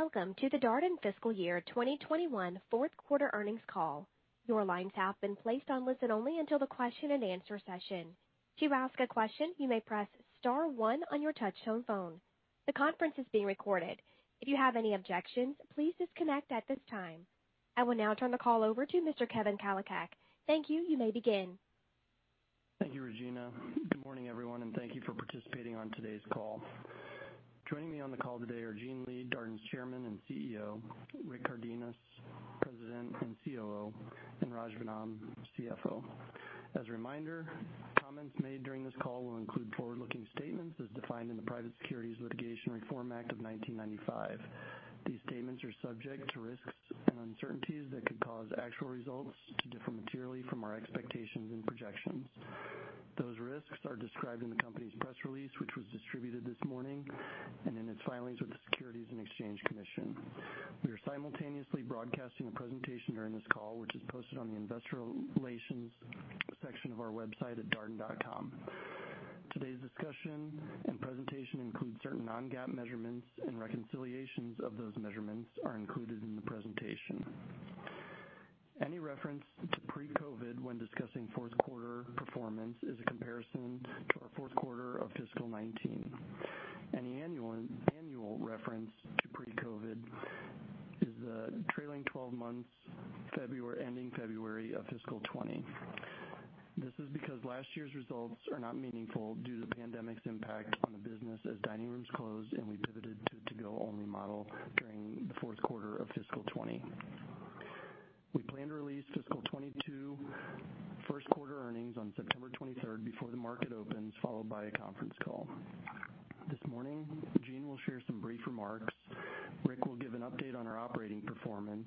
Welcome to the Darden Fiscal Year 2021 fourth quarter earnings call. Your line has been placed on listen-only until the question and answer session. To ask a question you may press star one on your touchtone phone. The conference is being recorded. If you have any objections please disconnect at this time. I will now turn the call over to Mr. Kevin Kalicak. Thank you. You may begin. Thank you, Regina. Good morning, everyone, and thank you for participating on today's call. Joining me on the call today are Gene Lee, Darden's Chairman and CEO, Rick Cardenas, President and COO, and Raj Vennam, CFO. As a reminder, comments made during this call will include forward-looking statements as defined in the Private Securities Litigation Reform Act of 1995. These statements are subject to risks and uncertainties that could cause actual results to differ materially from our expectations and projections. Those risks are described in the company's press release, which was distributed this morning, and in its filings with the Securities and Exchange Commission. We are simultaneously broadcasting a presentation during this call, which is posted on the investor relations section of our website at darden.com. Today's discussion and presentation include certain non-GAAP measurements, and reconciliations of those measurements are included in the presentation. Any reference to pre-COVID when discussing fourth quarter performance is a comparison to our fourth quarter of fiscal 2019. Any annual reference to pre-COVID is the trailing 12 months ending February of fiscal 2020. This is because last year's results are not meaningful due to the pandemic's impact on the business as dining rooms closed and we pivoted To Go only model during the fourth quarter of fiscal 2020. We plan to release fiscal 2022 first quarter earnings on September 23rd before the market opens, followed by a conference call. This morning, Gene will share some brief remarks, Rick will give an update on our operating performance,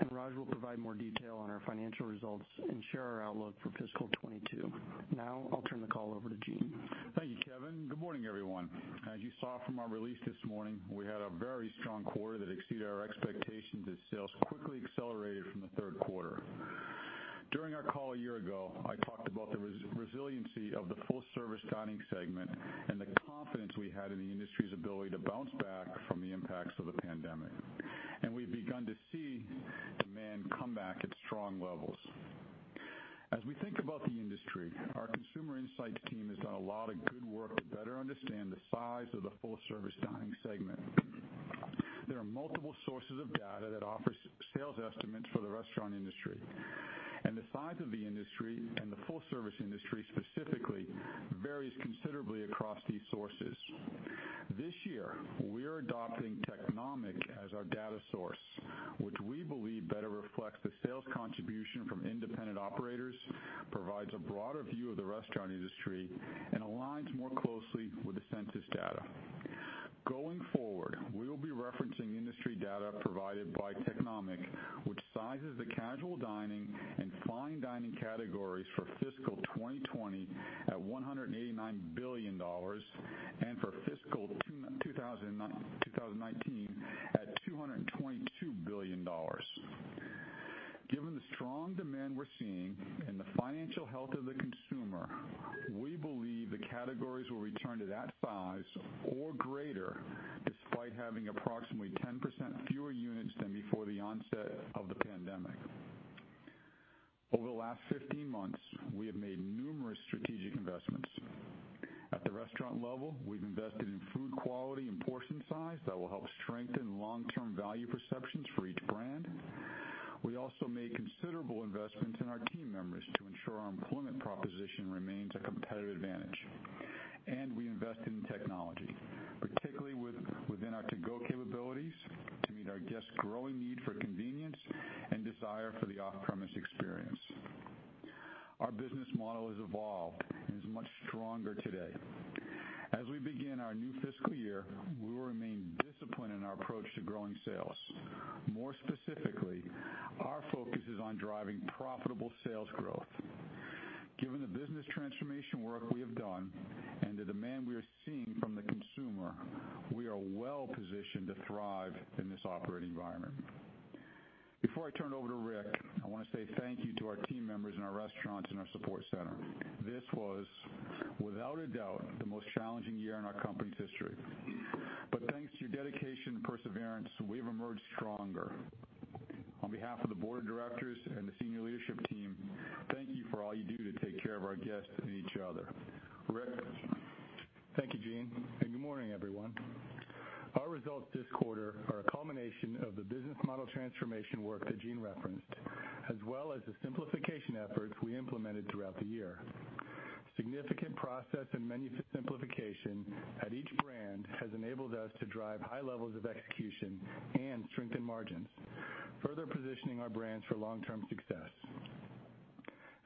and Raj will provide more detail on our financial results and share our outlook for fiscal 2022. Now, I'll turn the call over to Gene. Thank you, Kevin. Good morning, everyone. As you saw from our release this morning, we had a very strong quarter that exceeded our expectations as sales quickly accelerated from the third quarter. During our call a year ago, I talked about the resiliency of the full-service dining segment and the confidence we had in the industry's ability to bounce back from the impacts of the pandemic. We've begun to see demand come back at strong levels. As we think about the industry, our consumer insights team has done a lot of good work to better understand the size of the full-service dining segment. There are multiple sources of data that offer sales estimates for the restaurant industry. The size of the industry, and the full-service industry specifically, varies considerably across these sources. This year, we are adopting Technomic as our data source, which we believe better reflects the sales contribution from independent operators, provides a broader view of the restaurant industry, and aligns more closely with the census data. Going forward, we will be referencing industry data provided by Technomic, which sizes the casual dining and fine dining categories for fiscal 2020 at $189 billion and for fiscal 2019 at $222 billion. Given the strong demand we're seeing and the financial health of the consumer, we believe the categories will return to that size or greater, despite having approximately 10% fewer units than before the onset of the pandemic. Over the last 15 months, we have made numerous strategic investments. At the restaurant level, we've invested in food quality and portion size that will help strengthen long-term value perceptions for each brand. We also made considerable investments in our team members to ensure our employment proposition remains a competitive advantage. We invested in technology, particularly within our To Go capabilities, to meet our guests' growing need for convenience and desire for the off-premise experience. Our business model has evolved and is much stronger today. As we begin our new fiscal year, we will remain disciplined in our approach to growing sales. More specifically, our focus is on driving profitable sales growth. Given the business transformation work we have done and the demand we are seeing from the consumer, we are well positioned to thrive in this operating environment. Before I turn it over to Rick, I want to say thank you to our team members in our restaurants and our support center. This was, without a doubt, the most challenging year in our company's history. Thanks to your dedication and perseverance, we've emerged stronger. On behalf of the Board of Directors and the senior leadership team, thank you for all you do to take care of our guests and each other. Rick? Thank you, Gene, and good morning, everyone. Our results this quarter are a culmination of the business model transformation work that Gene referenced, as well as the simplification efforts we implemented throughout the year. Significant process and menu simplification at each brand has enabled us to drive high levels of execution and strengthen margins, further positioning our brands for long-term success.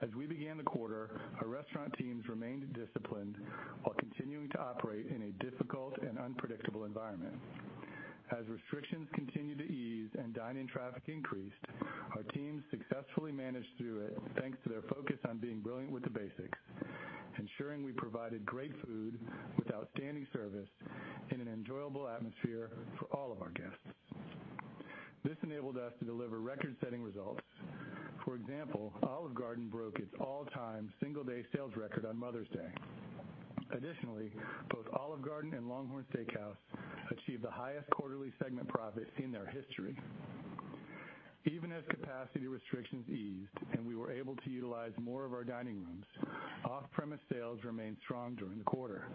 As we began the quarter, our restaurant teams remained disciplined while continuing to operate in a difficult and unpredictable environment. As restrictions continued to ease and dine-in traffic increased, our teams successfully managed through it thanks to their focus on being brilliant with the basics, ensuring we provided great food with outstanding service in an enjoyable atmosphere for all of our guests. This enabled us to deliver record-setting results. For example, Olive Garden broke its all-time single-day sales record on Mother's Day. Additionally, both Olive Garden and LongHorn Steakhouse achieved the highest quarterly segment profit in their history. Even as capacity restrictions eased and we were able to utilize more of our dining rooms, off-premise sales remained strong during the quarter.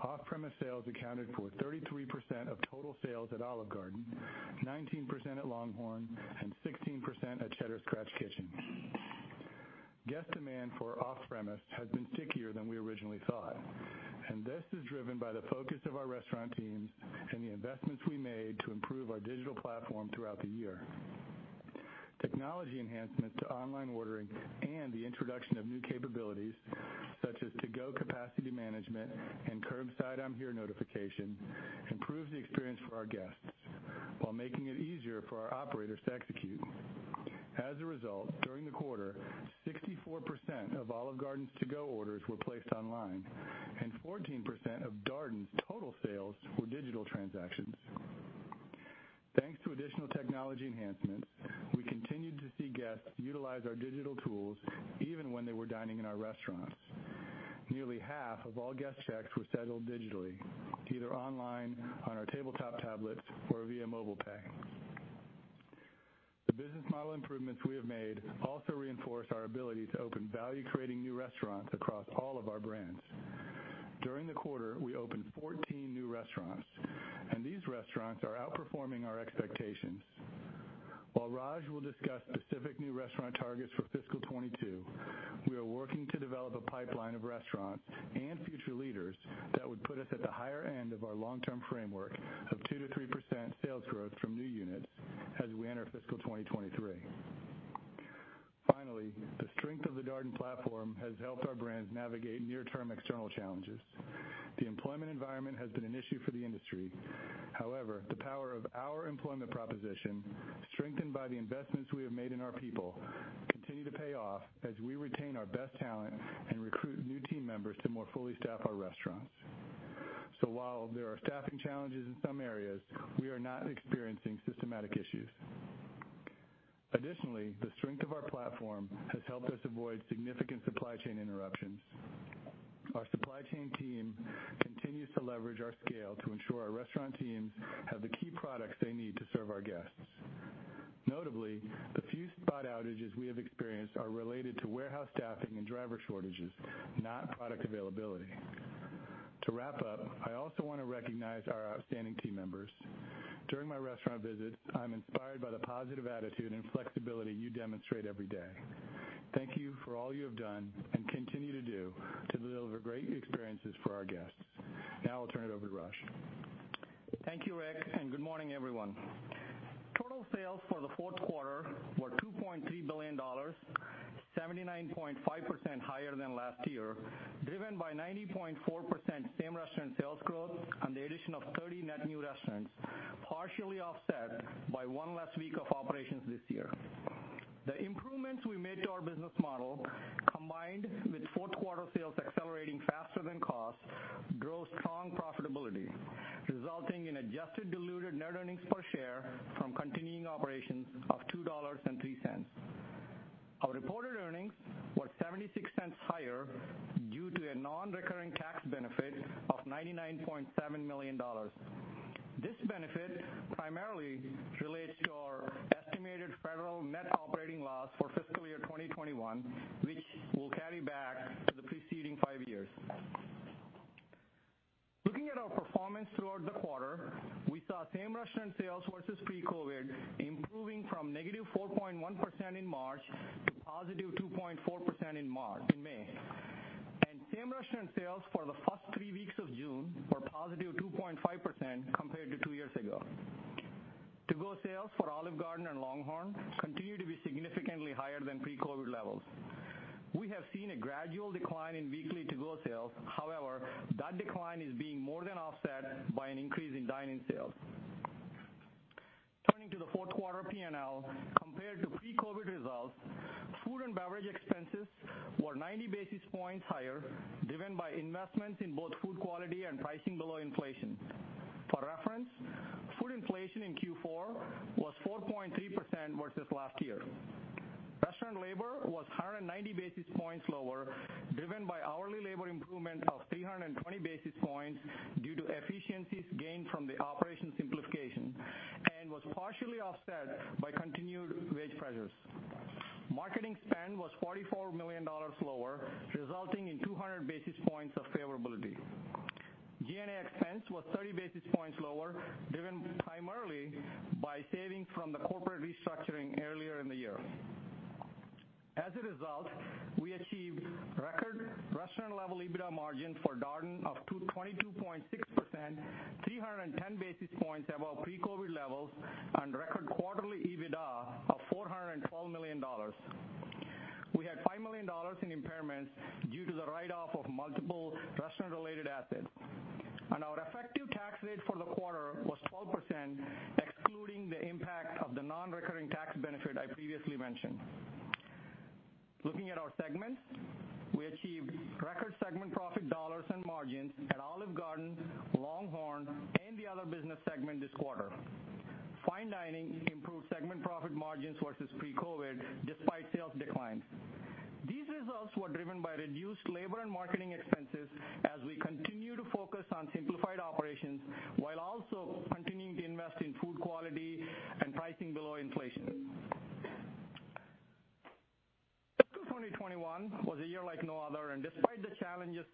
Off-premise sales accounted for 33% of total sales at Olive Garden, 19% at LongHorn, and 16% at Cheddar's Scratch Kitchen. Guest demand for off-premise has been stickier than we originally thought. This is driven by the focus of our restaurant teams and the investments we made to improve our digital platform throughout the year. Technology enhancements to online ordering and the introduction of new capabilities, such as To Go capacity management and Curbside I'm Here notification, improves the experience for our guests while making it easier for our operators to execute. As a result, during the quarter, 64% of Olive Garden's To Go orders were placed online, and 14% of Darden's total sales were digital transactions. Thanks to additional technology enhancements, we continued to see guests utilize our digital tools even when they were dining in our restaurants. Nearly half of all guest checks were settled digitally, either online, on our tabletop tablets, or via mobile pay. The business model improvements we have made also reinforce our ability to open value-creating new restaurants across all of our brands. During the quarter, we opened 14 new restaurants, and these restaurants are outperforming our expectations. While Raj will discuss specific new restaurant targets for fiscal 2022, we are working to develop a pipeline of restaurants and future leaders that would put us at the higher end of our long-term framework of 2%-3% sales growth from new units as we enter fiscal 2023. Finally the strength of the Darden platform has helped our brands navigate near-term external challenges. The employment environment has been an issue for the industry. The power of our employment proposition, strengthened by the investments we have made in our people, continue to pay off as we retain our best talent and recruit new team members to more fully staff our restaurants. While there are staffing challenges in some areas, we are not experiencing systematic issues. Additionally, the strength of our platform has helped us avoid significant supply chain interruptions. Our supply chain team continues to leverage our scale to ensure our restaurant teams have the key products they need to serve our guests. Notably, the few spot outages we have experienced are related to warehouse staffing and driver shortages, not product availability. To wrap up, I also want to recognize our outstanding team members. During my restaurant visits, I'm inspired by the positive attitude and flexibility you demonstrate every day. Thank you for all you have done and continue to do to deliver great experiences for our guests. Now I'll turn it over to Raj. Thank you, Rick, good morning, everyone. Total sales for the fourth quarter were $2.3 billion, 79.5% higher than last year, driven by 90.4% same-restaurant sales growth and the addition of 30 net new restaurants, partially offset by one less week of operations this year. The improvements we made to our business model, combined with fourth quarter sales accelerating faster than cost, drove strong profitability, resulting in adjusted diluted net earnings per share from continuing operations of $2.03. Our reported earnings were $0.76 higher due to a non-recurring tax benefit of $99.7 million. This benefit primarily relates to our estimated federal net operating loss for fiscal year 2021, which we'll carry back to the preceding five years. Looking at our performance throughout the quarter, we saw same-restaurant sales versus pre-COVID improving from -4.1% in March to +2.4% in May, and same-restaurant sales for the first three weeks of June were +2.5% compared to two years ago. To Go sales for Olive Garden and LongHorn continue to be significantly higher than pre-COVID levels. We have seen a gradual decline in weekly To Go sales. That decline is being more than offset by an increase in dining sales. Turning to the fourth quarter P&L, compared to pre-COVID results, food and beverage expenses were 90 basis points higher, driven by investments in both food quality and pricing below inflation. For reference, food inflation in Q4 was 4.3% versus last year. Restaurant labor was 190 basis points lower, driven by hourly labor improvement of 320 basis points due to efficiencies gained from the operation simplification and was partially offset by continued wage pressures. Marketing spend was $44 million lower, resulting in 200 basis points of favorability. G&A expense was 30 basis points lower, driven primarily by savings from the corporate restructuring earlier in the year. As a result, we achieved record restaurant level EBITDA margin for Darden up to 22.6%, 310 basis points above pre-COVID levels, and record quarterly EBITDA of $412 million. We had $5 million in impairments due to the write-off of multiple restaurant-related assets, and our effective tax rate for the quarter was 12%, excluding the impact of the non-recurring tax benefit I previously mentioned. Looking at our segments, we achieved record segment profit dollars and margins at Olive Garden, LongHorn, and the Other business segment this quarter. Fine dining improved segment profit margins versus pre-COVID despite sales declines. These results were driven by reduced labor and marketing expenses as we continue to focus on simplified operations while also continuing to invest in food quality and pricing below inflation. 2021 was a year like no other, and despite the challenges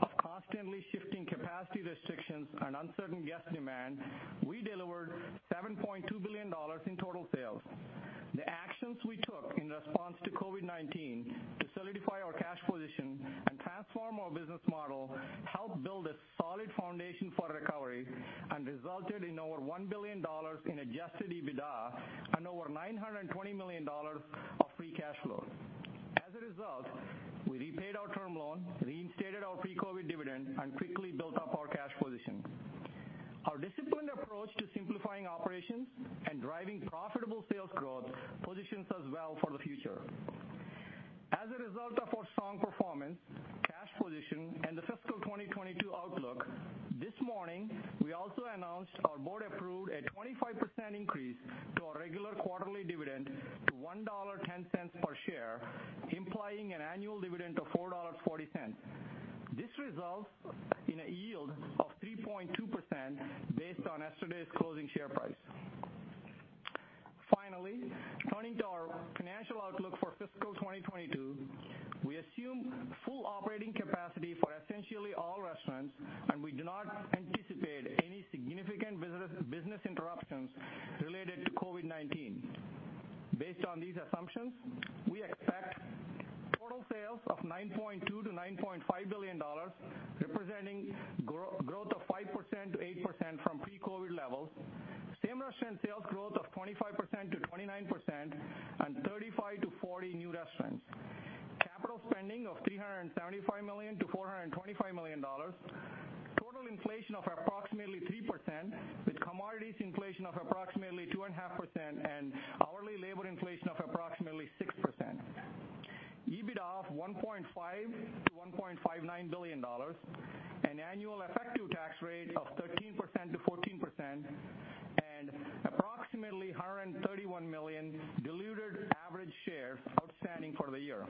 of constantly shifting capacity restrictions and uncertain guest demand, we delivered $7.2 billion in total sales. The actions we took in response to COVID-19 to solidify our cash position and transform our business model helped build a solid foundation for recovery and resulted in over $1 billion in adjusted EBITDA and over $920 million of free cash flow. As a result, we repaid our term loan, reinstated our pre-COVID dividend, and quickly built up our cash position. Our disciplined approach to simplifying operations and driving profitable sales growth positions us well for the future. As a result of our strong performance, cash position, and the fiscal 2022 outlook, this morning, we also announced our board approved a 25% increase to our regular quarterly dividend to $1.10 per share, implying an annual dividend of $4.40. This results in a yield of 3.2% based on yesterday's closing share price. Finally, turning to our financial outlook for fiscal 2022, we assume full operating capacity for essentially all restaurants, and we do not anticipate any significant business interruptions related to COVID-19. Based on these assumptions, we expect total sales of $9.2 billion-$9.5 billion, representing growth of 5%-8% from pre-COVID levels. Same-restaurant sales growth of 25%-29% and 35-40 new restaurants. Capital spending of $375 million-$425 million. Total inflation of approximately 3%, with commodities inflation of approximately 2.5% and hourly labor inflation of approximately 6%. EBITDA of $1.5 billion-$1.59 billion, an annual effective tax rate of 13%-14%, and approximately 131 million diluted average shares outstanding for the year,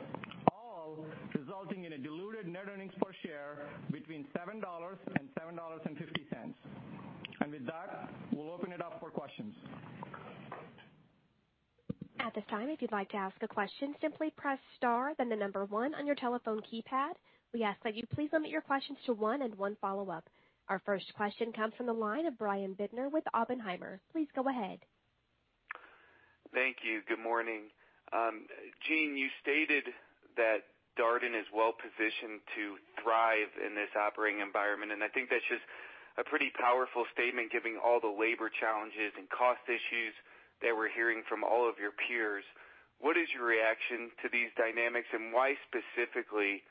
all resulting in a diluted net earnings per share between $7 and $7.50. With that, we'll open it up for questions. At this time, if you'd like to ask a question, simply press star then the number one on your telephone keypad. We ask that you please limit your questions to one and one follow-up. Our first question comes from the line of Brian Bittner with Oppenheimer. Please go ahead. Thank you. Good morning. Gene, you stated that Darden is well-positioned to thrive in this operating environment, and I think that's just a pretty powerful statement given all the labor challenges and cost issues that we're hearing from all of your peers. What is your reaction to these dynamics, and why specifically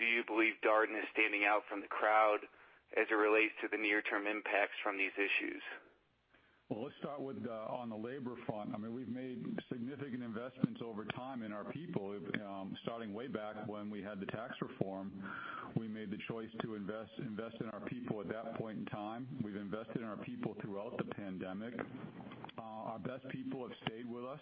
do you believe Darden is standing out from the crowd as it relates to the near-term impacts from these issues? Let's start on the labor front. We've made significant investments over time in our people. Starting way back when we had the tax reform, we made the choice to invest in our people at that point in time. We've invested in our people throughout the pandemic. Our best people have stayed with us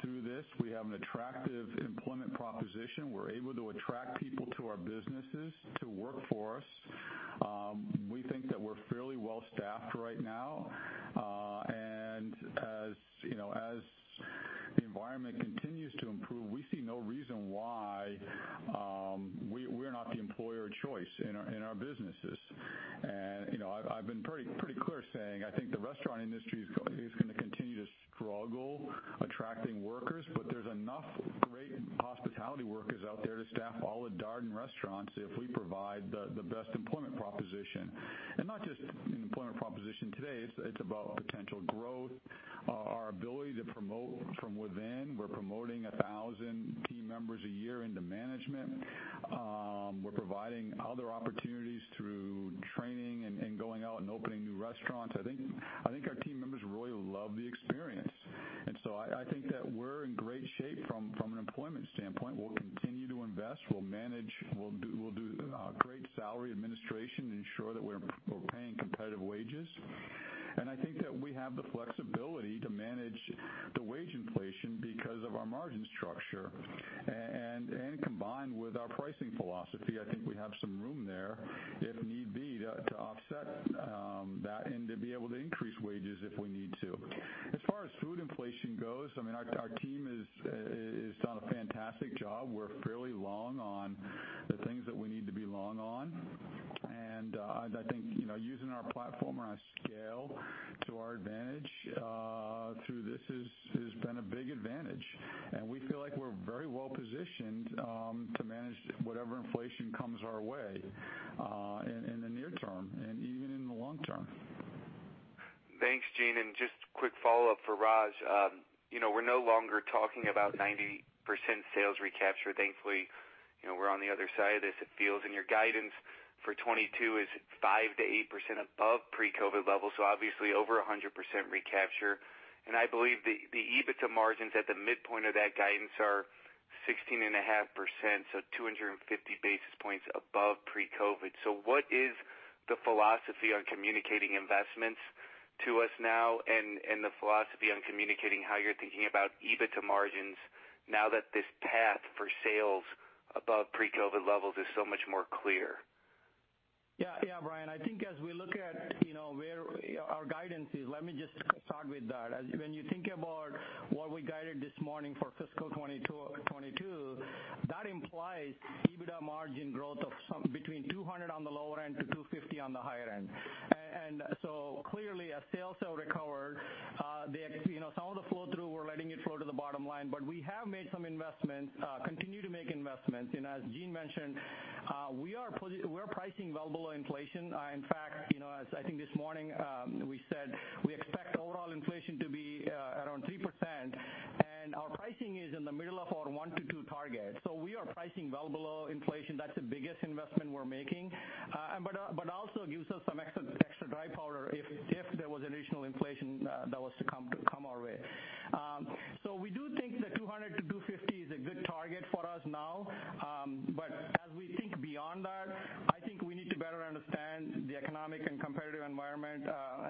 through this. We have an attractive employment proposition. We're able to attract people to our businesses to work for us. We think that we're fairly well-staffed right now. As the environment continues to improve, we see no reason why we're not the employer of choice in our businesses. I've been pretty clear saying, I think the restaurant industry is going to continue to struggle attracting workers, but there's enough great hospitality workers out there to staff all of Darden Restaurants if we provide the best employment proposition. Not just employment proposition today, it's about potential growth, our ability to promote from within. We're promoting 1,000 team members a year into management. We're providing other opportunities through training and going out and opening new restaurants. I think our team members really love the experience. I think that we're in great shape from an employment standpoint. We'll continue to invest. We'll do great salary administration to ensure that we're paying competitive wages. I think that we have the flexibility to manage the wage inflation because of our margin structure. Combined with our pricing philosophy, I think we have some room there if need be, to offset that and to be able to increase wages if we need to. As far as food inflation goes, our team has done a fantastic job. We're fairly long on the things that we need to be long on. I think using our platform and our scale to our advantage through this has been a big advantage. We feel like we're very well-positioned to manage whatever inflation comes our way in the near term and even in the long term. Thanks, Gene. Just a quick follow-up for Raj. We're no longer talking about 90% sales recapture. Thankfully, we're on the other side of this, it feels, in your guidance. For 2022 is 5%-8% above pre-COVID levels, so obviously over 100% recapture. I believe the EBITDA margins at the midpoint of that guidance are 16.5%, so 250 basis points above pre-COVID. What is the philosophy on communicating investments to us now and the philosophy on communicating how you're thinking about EBITDA margins now that this path for sales above pre-COVID levels is so much more clear? Brian, I think as we look at where our guidance is, let me just start with that. When you think about what we guided this morning for FY 2022, that implies EBITDA margin growth of between 200 on the lower end to 250 on the higher end. Clearly as sales have recovered, some of the flow-through, we're letting it flow to the bottom line. We have made some investments, continue to make investments. As Gene mentioned, we're pricing well below inflation. In fact, I think this morning, we said we expect overall inflation to be around 3%, and our pricing is in the middle of our 1%-2% target. We are pricing well below inflation. That's the biggest investment we're making. Also gives us some extra dry powder if there was additional inflation that was to come our way. We do think that 200 basis points-250 basis points is a good target for us now. As we think beyond that, I think we need to better understand the economic and competitive environment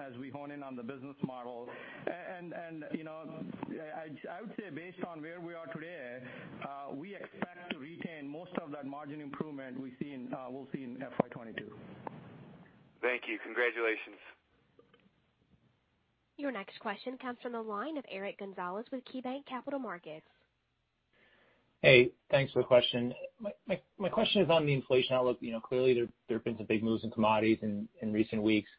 as we hone in on the business model. I would say based on where we are today, we expect to retain most of that margin improvement we'll see in FY 2022. Thank you. Congratulations. Your next question comes from the line of Eric Gonzalez with KeyBanc Capital Markets. Hey, thanks for the question. My question is on the inflation outlook. Clearly, there have been some big moves in commodities in recent weeks.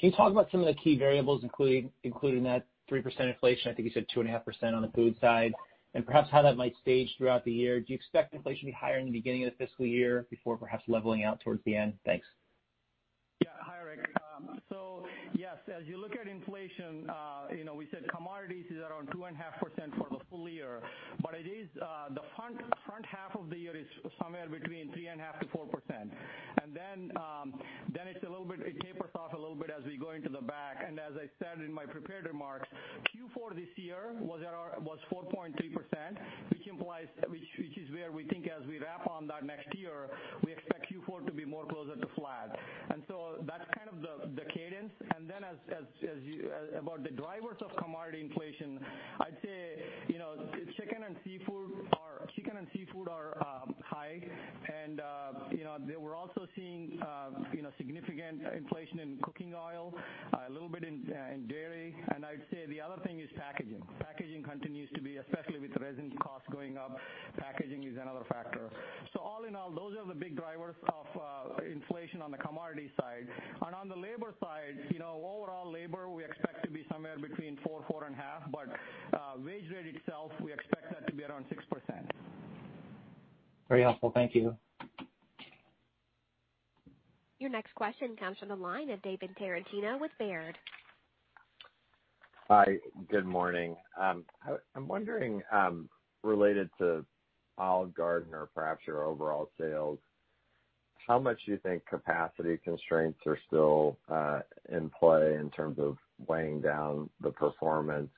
Can you talk about some of the key variables, including that 3% inflation? I think you said 2.5% on the food side, and perhaps how that might stage throughout the year. Do you expect inflation to be higher in the beginning of the fiscal year before perhaps leveling out towards the end? Thanks. Hi, Eric. Yes, as you look at inflation, we said commodities is around 2.5% for the full year, but the front half of the year is somewhere between 3.5%-4%. It tapers off a little bit as we go into the back. As I said in my prepared remarks, Q4 this year was 4.3%, which is where we think as we wrap on that next year, we expect Q4 to be more closer to flat. That's kind of the cadence. About the drivers of commodity inflation, I'd say chicken and seafood are high. We're also seeing significant inflation in cooking oil, a little bit in dairy. I'd say the other thing is packaging. Packaging continues to be, especially with resin cost going up, packaging is another factor. All in all, those are the big drivers of inflation on the commodity side. On the labor side, overall labor, we expect to be somewhere between 4% and 4.5%, but wage rate itself, we expect that to be around 6%. Very helpful. Thank you. Your next question comes from the line of David Tarantino with Baird. Hi, good morning. I'm wondering, related to Olive Garden or perhaps your overall sales, how much do you think capacity constraints are still in play in terms of weighing down the performance?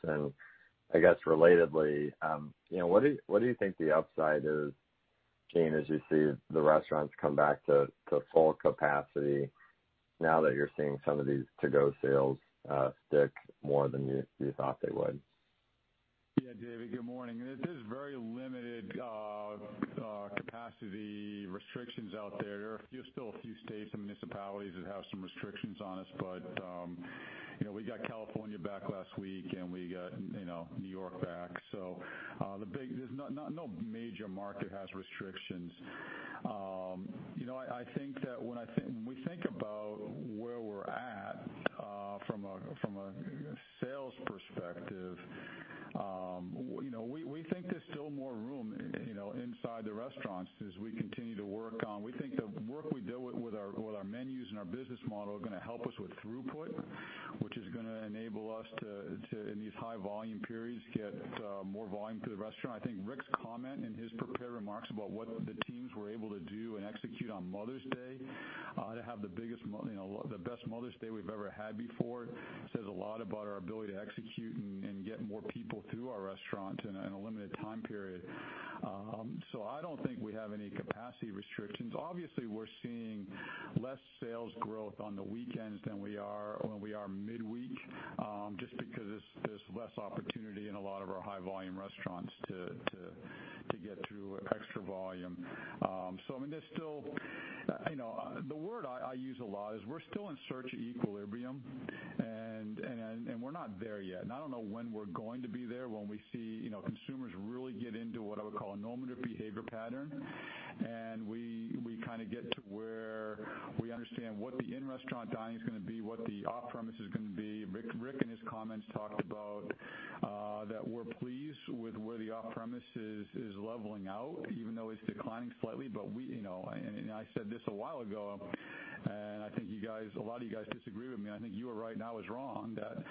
I guess relatedly, what do you think the upside is, Gene, as you see the restaurants come back to full capacity now that you're seeing some of these To Go sales stick more than you thought they would? David, good morning. It is very limited capacity restrictions out there. There are still a few states and municipalities that have some restrictions on us, but we got California back last week and we got New York back. No major market has restrictions. When we think about where we're at from a sales perspective, we think there's still more room inside the restaurants as we continue to work on. We think the work we do with our menus and our business model are going to help us with throughput, which is going to enable us to, in these high volume periods, get more volume to the restaurant. I think Rick's comment in his prepared remarks about what the teams were able to do and execute on Mother's Day to have the best Mother's Day we've ever had before says a lot about our ability to execute and get more people to our restaurants in a limited time period. I don't think we have any capacity restrictions. Obviously, we're seeing less sales growth on the weekends than we are midweek, just because there's less opportunity in a lot of our high volume restaurants to get through extra volume. The word I use a lot is we're still in search of equilibrium, and we're not there yet. I don't know when we're going to be there when we see consumers really get into what I would call a normative behavior pattern. We get to where we understand what the in-restaurant dining is going to be, what the off-premise is going to be. Rick, in his comments, talked about that we're pleased with where the off-premise is leveling out, even though it's declined slightly. I said this a while ago. I think a lot of you guys disagree with me. I think you were right and I was wrong that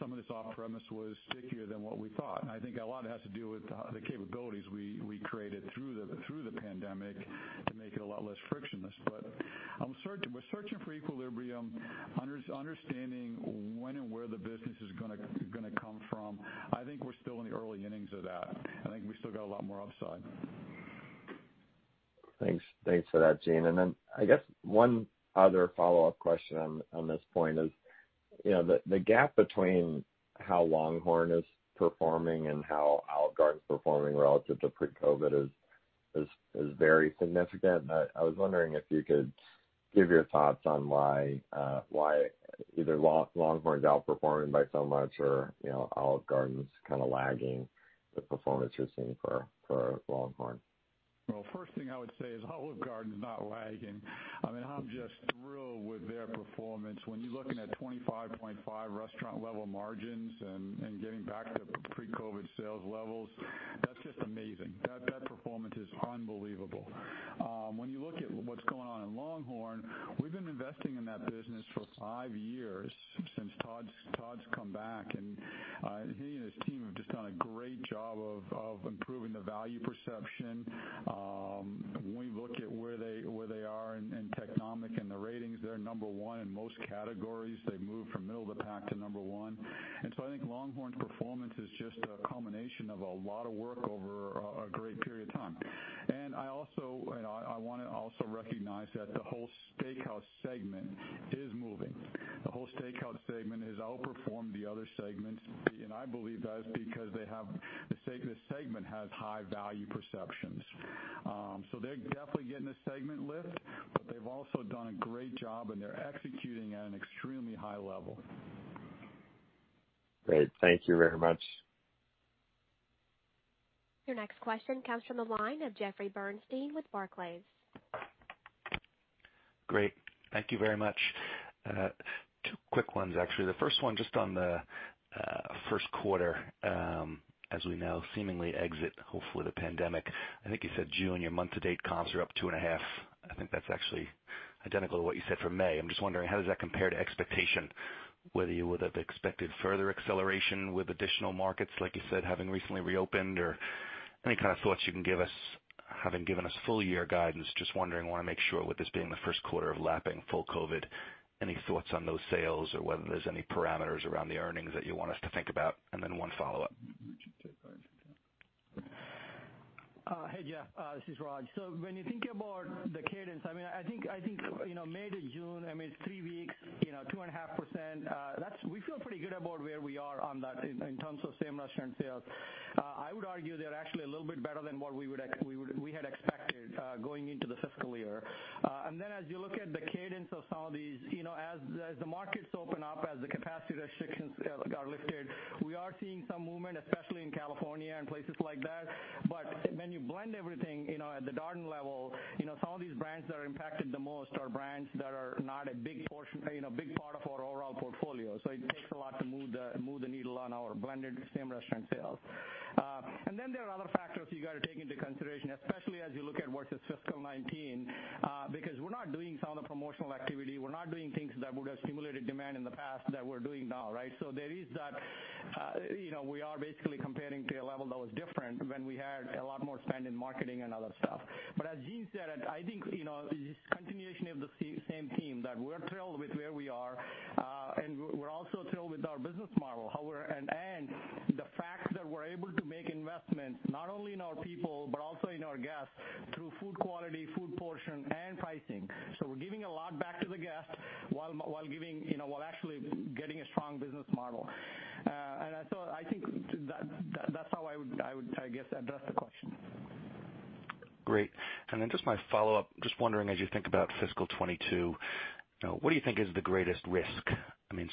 some of this off-premise was stickier than what we thought. I think a lot of it has to do with the capabilities we created through the pandemic to make it a lot less frictionless. We're searching for equilibrium, understanding when and where the business is going to come from. I think we're still in the early innings of that, and I think we still got a lot more upside. Thanks for that, Gene. I guess one other follow-up question on this point is, the gap between how LongHorn is performing and how Olive Garden is performing relative to pre-COVID is very significant. I was wondering if you could give your thoughts on why either LongHorn is outperforming by so much, or Olive Garden is lagging the performance you're seeing for LongHorn. First thing I would say is Olive Garden is not lagging. I'm just thrilled with their performance. When you're looking at 25.5% restaurant level margins and getting back to pre-COVID sales levels, that's just amazing. That performance is unbelievable. When you look at what's going on in LongHorn, we've been investing in that business for five years since Todd's come back, and he and his team have just done a great job of improving the value perception. When we look at where they are in Technomic and the ratings, they're number one in most categories. They've moved from middle of the pack to number one. I think LongHorn's performance is just a culmination of a lot of work over a great period of time. I want to also recognize that the whole steakhouse segment is moving. The whole steakhouse segment has outperformed the other segments, and I believe that is because the segment has high value perceptions. They're definitely getting a segment lift, but they've also done a great job and they're executing at an extremely high level. Great. Thank you very much. Your next question comes from the line of Jeffrey Bernstein with Barclays. Great. Thank you very much. Two quick ones, actually. The first one just on the first quarter as we now seemingly exit, hopefully, the pandemic. I think you said, Gene, your month to date comps are up 2.5. I think that's actually identical to what you said for May. I'm just wondering, how does that compare to expectation, whether you would have expected further acceleration with additional markets, like you said, having recently reopened or any kind of thoughts you can give us, having given us full year guidance, just wondering, want to make sure with this being the first quarter of lapping full COVID. Any thoughts on those sales or whether there's any parameters around the earnings that you want us to think about? One follow-up. Hey, Jeff. This is Raj. When you think about the cadence, I think, May to June, three weeks, 2.5%, we feel pretty good about where we are on that in terms of same-restaurant sales. I would argue they're actually a little bit better than what we had expected going into the fiscal year. As you look at the cadence of some of these, as the markets open up, as the capacity restrictions are lifted, we are seeing some movement, especially in California and places like that. When you blend everything, at the Darden level, some of these brands that are impacted the most are brands that are not a big part of our overall portfolio. It takes a lot to move the needle on our blended same-restaurant sales. Then there are other factors you got to take into consideration, especially as you look at versus fiscal 2019, because we're not doing some of the promotional activity. We're not doing things that would have stimulated demand in the past that we're doing now, right? There is that. We are basically comparing to a level that was different when we had a lot more spend in marketing and other stuff. As Gene said, I think, continuation of the same theme, that we're thrilled with where we are, and we're also thrilled with our business model and the fact that we're able to make investments not only in our people, but also in our guests through food quality, food portion, and pricing. We're giving a lot back to the guests while actually getting a strong business model. I think that's how I would, I guess, address the question. Great. Then just my follow-up, just wondering, as you think about fiscal 2022, what do you think is the greatest risk?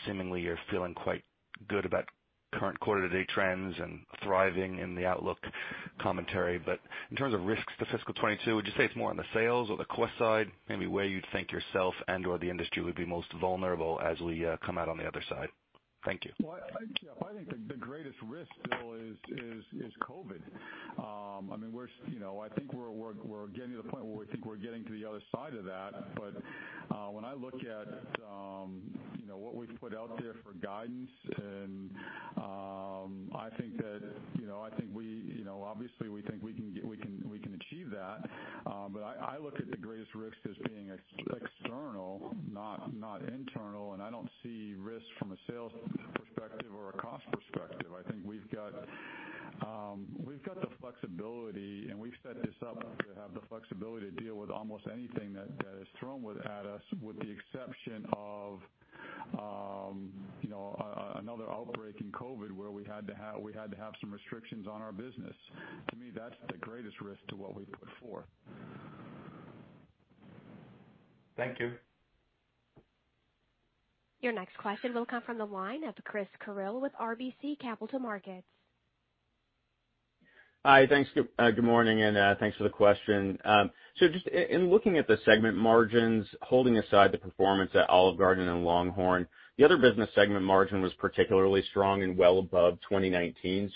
Seemingly, you're feeling quite good about current quarter to date trends and thriving in the outlook commentary. But in terms of risks for fiscal 2022, would you say it's more on the sales or the cost side? Maybe where you'd think yourself and/or the industry would be most vulnerable as we come out on the other side. Thank you. Well, I think the greatest risk still is COVID. I think we're getting to the point where we think we're getting to the other side of that. When I look at what we've put out there for guidance, and obviously, we think we can achieve that. I look at the greatest risks as being external, not internal, and I don't see risks from a sales perspective or a cost perspective. I think we've got the flexibility, and we've set this up to have the flexibility to deal with almost anything that is thrown at us, with the exception of another outbreak in COVID-19 where we had to have some restrictions on our business. To me, that's the greatest risk to what we put forward. Thank you. Your next question will come from the line of Chris Carril with RBC Capital Markets. Hi. Good morning, and thanks for the question. Just in looking at the segment margins, holding aside the performance at Olive Garden and LongHorn, the Other business segment margin was particularly strong and well above 2019.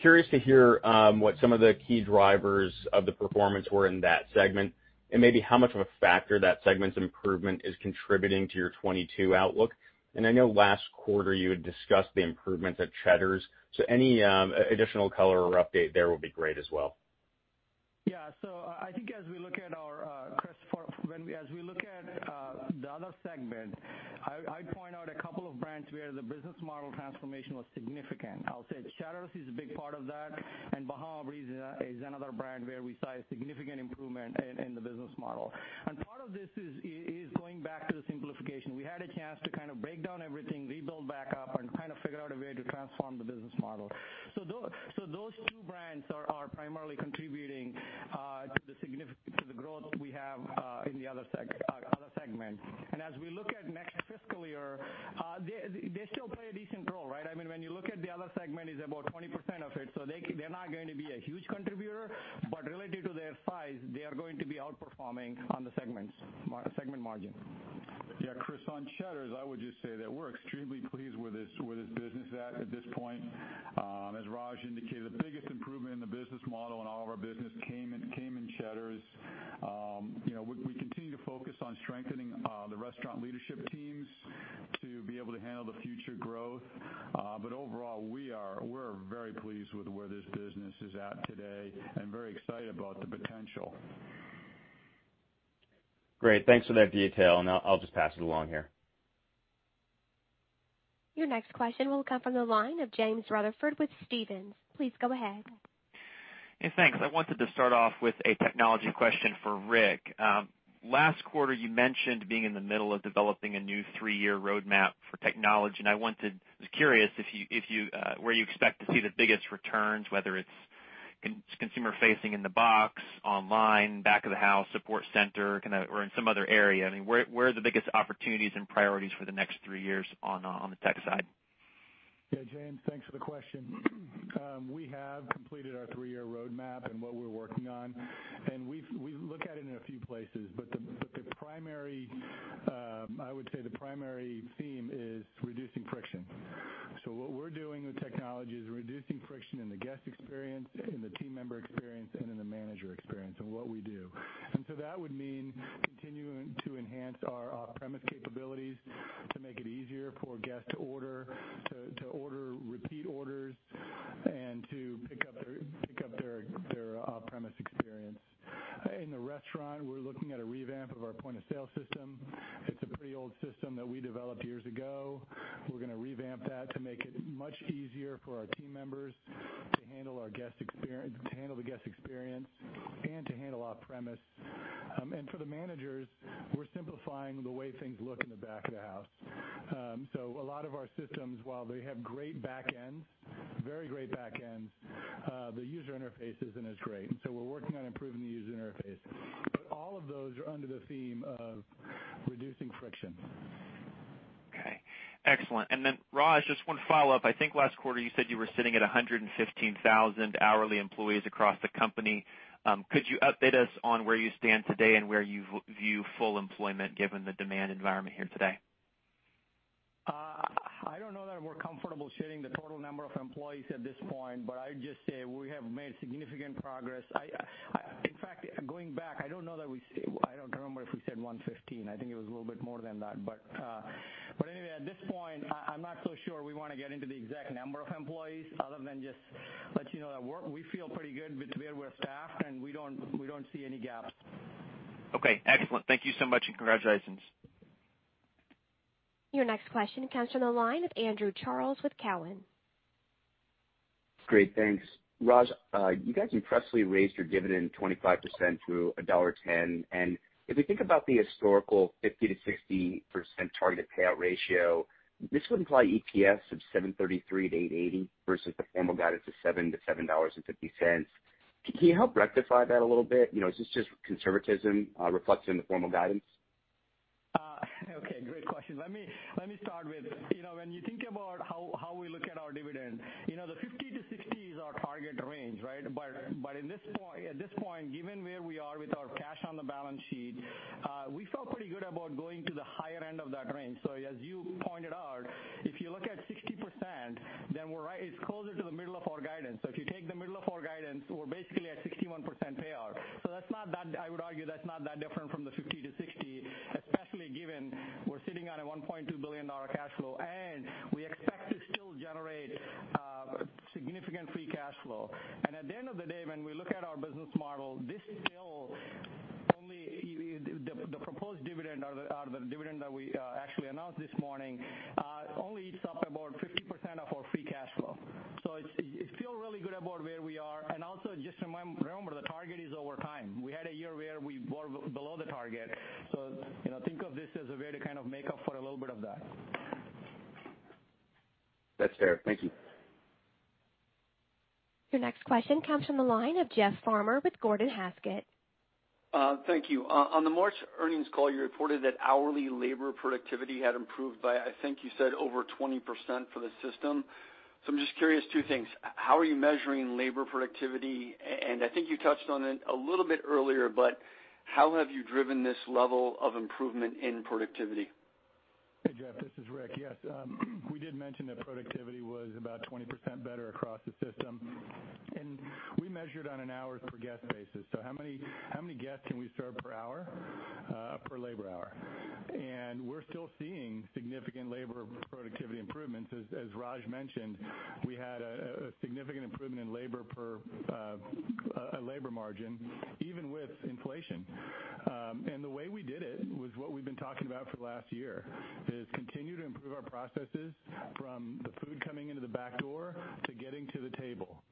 Curious to hear what some of the key drivers of the performance were in that segment and maybe how much of a factor that segment's improvement is contributing to your 2022 outlook. I know last quarter you had discussed the improvements at Cheddar's, so any additional color or update there would be great as well. Yeah. I think as we look at the Other segment, I point out a couple of brands where the business model transformation was significant. I would say Cheddar's is a big part of that, and Bahama Breeze is another brand where we saw a significant improvement in the business model. Part of this is going back to the simplification. We had a chance to break down everything, rebuild back up, and figure out a way to transform the business model. Those two brands are primarily contributing to the growth that we have in the Other segment. As we look at next fiscal year, they still play a decent role. When you look at the Other segment, it's about 20% of it, so they're not going to be a huge contributor, but related to their size, they are going to be outperforming on the segment margin. Yeah, Chris, on Cheddar's, I would just say that we're extremely pleased with where this business is at this point. As Raj indicated, the biggest improvement in the business model in all of our business came in Cheddar's. We continue to focus on strengthening the restaurant leadership teams to be able to handle the future growth. Overall, we're very pleased with where this business is at today and very excited about the potential. Great. Thanks for that detail, and I'll just pass it along here. Your next question will come from the line of James Rutherford with Stephens. Please go ahead. Yeah, thanks. I wanted to start off with a technology question for Rick. Last quarter, you mentioned being in the middle of developing a new three-year roadmap for technology, and I was curious where you expect to see the biggest returns, whether it's consumer-facing in the box, online, back of the house, support center, or in some other area. Where are the biggest opportunities and priorities for the next three years on the tech side? Yeah, James, thanks for the question. We have completed our three-year roadmap and what we're working on, and we look at it in a few places, but I would say the primary theme is reducing friction. What we're doing with technology is reducing friction in the guest experience, in the team member experience, and in the manager experience in what we do. That would mean continuing to enhance our off-premise capabilities to make it easier for a guest to order repeat orders and to pick up their off-premise experience. In the restaurant, we're looking at a revamp of our point-of-sale system. It's a pretty old system that we developed years ago. We're going to revamp that to make it much easier for our team members to handle the guest experience and to handle off-premise. For the managers, we're simplifying the way things look in the back of the house. A lot of our systems, while they have great back ends, very great back ends, the user interface isn't as great. We're working on improving the user interface. All of those are under the theme of reducing friction. Okay, excellent. Raj, just one follow-up. I think last quarter you said you were sitting at 115,000 hourly employees across the company. Could you update us on where you stand today and where you view full employment given the demand environment here today? I don't know that we're comfortable sharing the total number of employees at this point, but I'd just say we have made significant progress. In fact, going back, I don't know if we said 115. I think it was a little bit more than that. Anyway, at this point, I'm not so sure we want to get into the exact number of employees other than just let you know that we feel pretty good with staffing, and we don't see any gaps. Okay, excellent. Thank you so much. Congratulations. Your next question comes from the line of Andrew Charles with Cowen. Great. Thanks. Raj, you guys impressively raised your dividend 25% to $1.10. If you think about the historical 50%-60% target payout ratio, this would imply EPS of $7.33-$8.80 versus the formal guidance of $7-$7.50. Can you help rectify that a little bit? Is this just conservatism reflection in the formal guidance? Okay, great question. Let me start with when you think about how we look at our dividend, the 50%-60% is our target range. At this point, given where we are with our cash on the balance sheet, we feel pretty good about going to the higher end of that range. As you pointed out, if you look at 60%, then it's closer to the middle of our guidance. If you take the middle of our guidance, we're basically at 61% payout. I would argue that's not that different from the 50%-60%, especially given we're sitting on a $1.2 billion cash flow, and we expect to still generate significant free cash flow. At the end of the day, when we look at our business model, the proposed dividend or the dividend that we actually announced this morning only eats up about 50% of our free cash flow. I feel really good about where we are. Also just remember the target is over time. We had a year where we were below the target. Think of this as a way to make up for a little bit of that. That's fair. Thank you. Your next question comes from the line of Jeff Farmer with Gordon Haskett. Thank you. On the March earnings call, you reported that hourly labor productivity had improved by, I think you said over 20% for the system. I'm just curious, two things. How are you measuring labor productivity? I think you touched on it a little bit earlier, but how have you driven this level of improvement in productivity? Hey, Jeff, this is Rick. Yes, we did mention that productivity was about 20% better across the system. We measured on an hours per guest basis. How many guests can we serve per hour, per labor hour? We're still seeing significant labor productivity improvements. As Raj mentioned, we had a significant improvement in labor margin even with inflation. The way we did it was what we've been talking about for the last year, is continue to improve our processes from the food coming into the back door to getting to the table.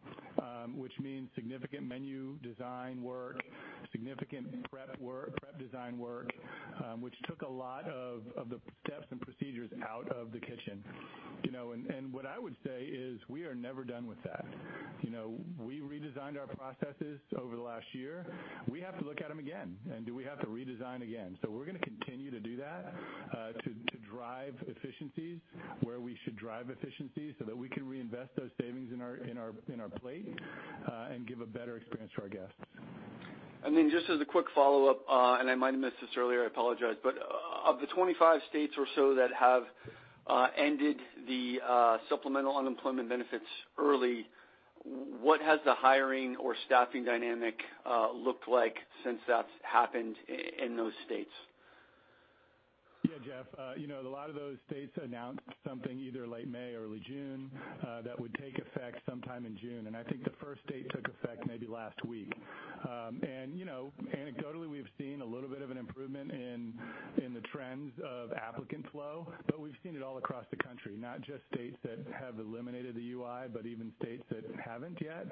Which means significant menu design work, significant prep design work, which took a lot of the steps and procedures out of the kitchen. What I would say is we are never done with that. We redesigned our processes over the last year. We have to look at them again, and do we have to redesign again? We're going to continue to do that, to drive efficiencies where we should drive efficiencies so that we can reinvest those savings in our P&L, and give a better experience to our guests. Just as a quick follow-up, and I might have missed this earlier, I apologize, but of the 25 states or so that have ended the supplemental unemployment benefits early, what has the hiring or staffing dynamic looked like since that's happened in those states? Yeah, Jeff, a lot of those states announced something either late May or early June, that would take effect sometime in June. I think the first date took effect maybe last week. Anecdotally, we've seen a little bit of an improvement in the trends of applicant flow, but we've seen it all across the country, not just states that have eliminated the UI, but even states that haven't yet.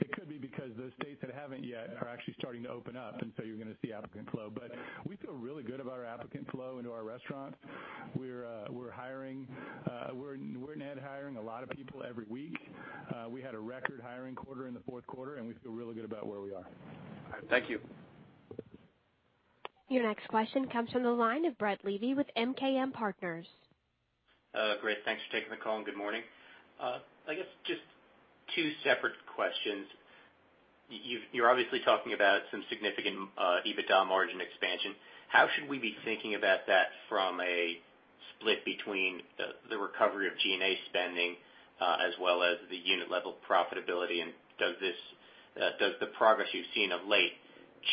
It could be because those states that haven't yet are actually starting to open up, you're going to see applicant flow. We feel really good about our applicant flow into our restaurant. We're net hiring a lot of people every week. We had a record hiring quarter in the fourth quarter, and we feel really good about where we are. Thank you. Your next question comes from the line of Brett Levy with MKM Partners. Great. Thanks for taking the call and good morning. I guess just two separate questions. You're obviously talking about some significant EBITDA margin expansion. How should we be thinking about that from a split between the recovery of G&A spending, as well as the unit level profitability, and does the progress you've seen of late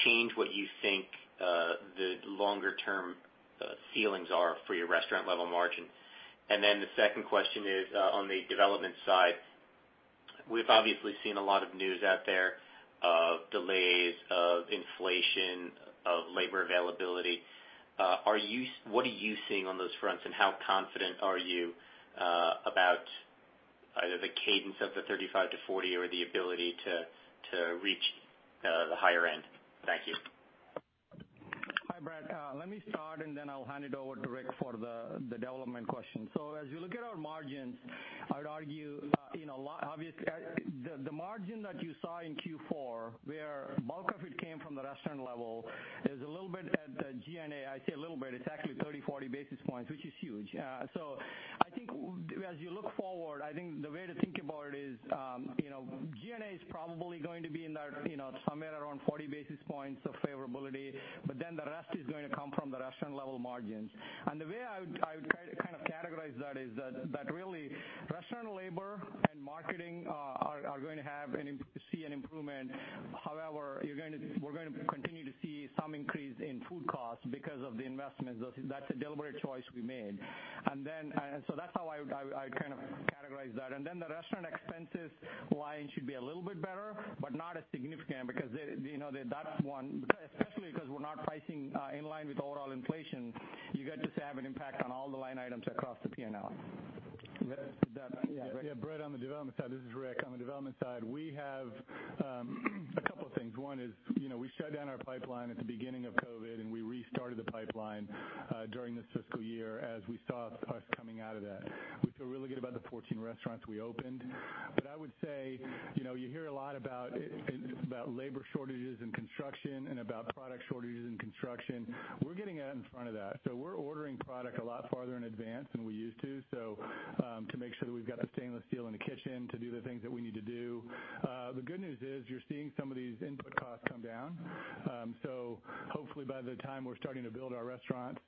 change what you think the longer term ceilings are for your restaurant level margin? Then the second question is on the development side. We've obviously seen a lot of news out there of delays of inflation, of labor availability. What are you seeing on those fronts, and how confident are you about either the cadence of the 35-40 or the ability to reach the higher end? Thank you. Hi, Brett. Let me start, then I'll hand it over to Rick for the development question. As you look at our margins, I'd argue that the margin that you saw in Q4, where bulk of it came from the restaurant level, is a little bit at the G&A. I say a little bit, it's actually 30, 40 basis points, which is huge. I think as you look forward, I think the way to think about it is G&A is probably going to be somewhere around 40 basis points of favorability, the rest is going to come from the restaurant level margins. The way I would kind of categorize that is that really, restaurant labor and marketing are going to see an improvement. However, we're going to continue to see some increase in food costs because of the investments. That's a deliberate choice we made. That's how I kind of categorize that. The restaurant expenses line should be a little bit better, but not as significant because that one, especially because we're not pricing in line with overall inflation, you get to have an impact on all the line items across the P&L. Yeah, Brett, on the development side, this is Rick. On the development side, we have a couple things. One is, we shut down our pipeline at the beginning of COVID-19 and we restarted the pipeline during this fiscal year as we saw us coming out of that. We feel really good about the 14 restaurants we opened. I would say, you hear a lot about labor shortages in construction and about product shortages in construction. We're getting out in front of that. We're ordering product a lot farther in advance than we used to make sure we've got the stainless steel in the kitchen to do the things that we need to do. The good news is you're seeing some of these input costs come down. Hopefully by the time we're starting to build our restaurants,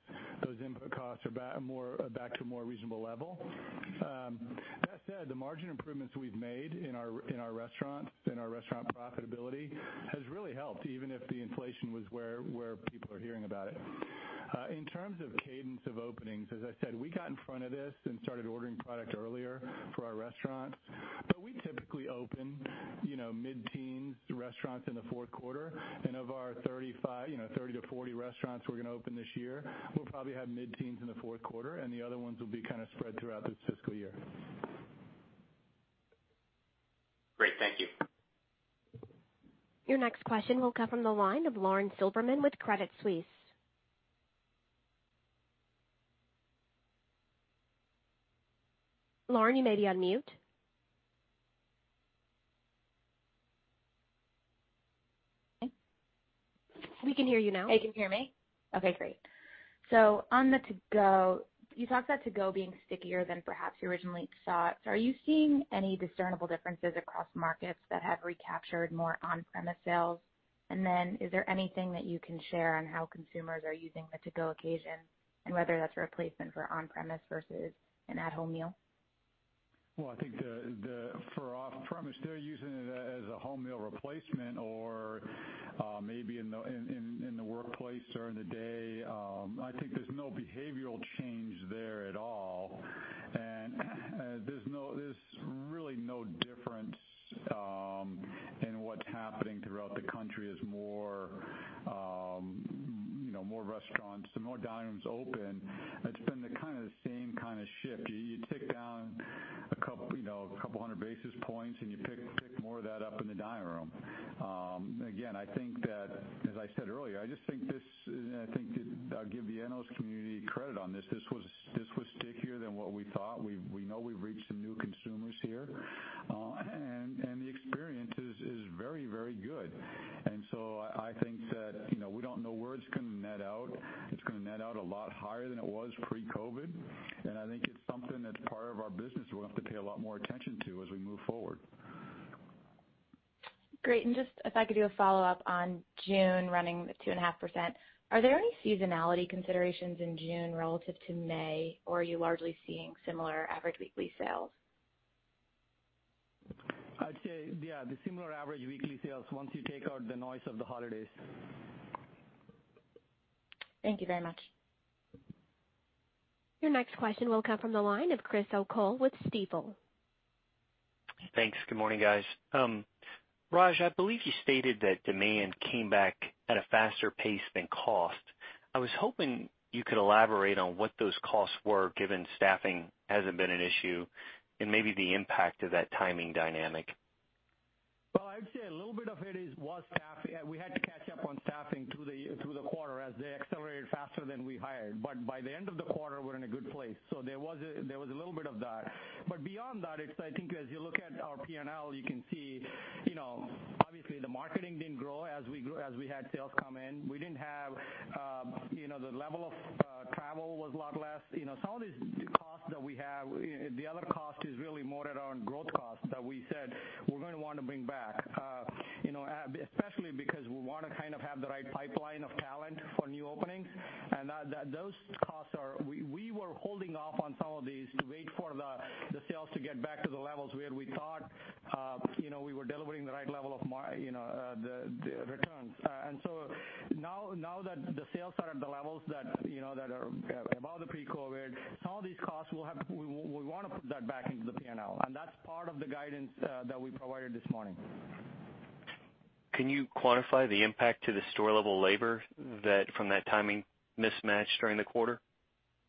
those input costs are back to a more reasonable level. The margin improvements we've made in our restaurants and our restaurant profitability has really helped, even if the inflation was where people are hearing about it. In terms of cadence of openings, as I said, we got in front of this and started ordering product earlier for our restaurants. We typically open mid-teens restaurants in the fourth quarter. Of our 30-40 restaurants we're going to open this year, we'll probably have mid-teens in the fourth quarter, and the other ones will be kind of spread throughout this fiscal year. Great. Thank you. Your next question will come from the line of Lauren Silberman with Credit Suisse. Lauren, you may be on mute. We can hear you now. You can hear me? Okay, great. On the To Go, you talked about To Go being stickier than perhaps you originally thought. Are you seeing any discernible differences across markets that have recaptured more on-premise sales? Is there anything that you can share on how consumers are using the To Go occasion and whether that's a replacement for on-premise versus an at-home meal? Well, I think for us, if they're using it as a home meal replacement or maybe in the workplace during the day, I think there's no behavioral change there at all. There's really no difference in what's happening throughout the country as more restaurants and more dining rooms open. It's been the same kind of shift. You tick down 200 basis points, and you pick more of that up in the dining room. I think that, as I said earlier, I'll give the analyst community credit on this. This was stickier than what we thought. We know we've reached some new consumers here. The experience is very good. I think that we don't know where it's going to net out. It's going to net out a lot higher than it was pre-COVID. I think it's something that's part of our business we'll have to pay a lot more attention to as we move forward. Great. Just if I could do a follow-up on June running at 2.5%, are there any seasonality considerations in June relative to May, or are you largely seeing similar average weekly sales? I'd say, yeah, the similar average weekly sales once you take out the noise of the holidays. Thank you very much. Your next question will come from the line of Chris O'Cull with Stifel. Thanks. Good morning, guys. Raj, I believe you stated that demand came back at a faster pace than cost. I was hoping you could elaborate on what those costs were, given staffing hasn't been an issue and maybe the impact of that timing dynamic. Well, I'd say a little bit of it was staffing. We had to catch up on staffing through the quarter as they accelerated faster than we hired. By the end of the quarter, we're in a good place. There was a little bit of that. Beyond that, I think as you look at our P&L, you can see obviously the marketing didn't grow as we had sales come in. The level of travel was a lot less. Some of these costs that we have, the other cost is really more around growth costs that we said we're going to want to bring back, especially because we want to have the right pipeline of talent for new openings. Those costs, we were holding off on some of these to wait for the sales to get back to the levels where we thought we were delivering the right level of returns. Now that the sales are at the levels that are above the pre-COVID, some of these costs we want to put that back into the P&L, and that's part of the guidance that we provided this morning. Can you quantify the impact to the store level labor from that timing mismatch during the quarter?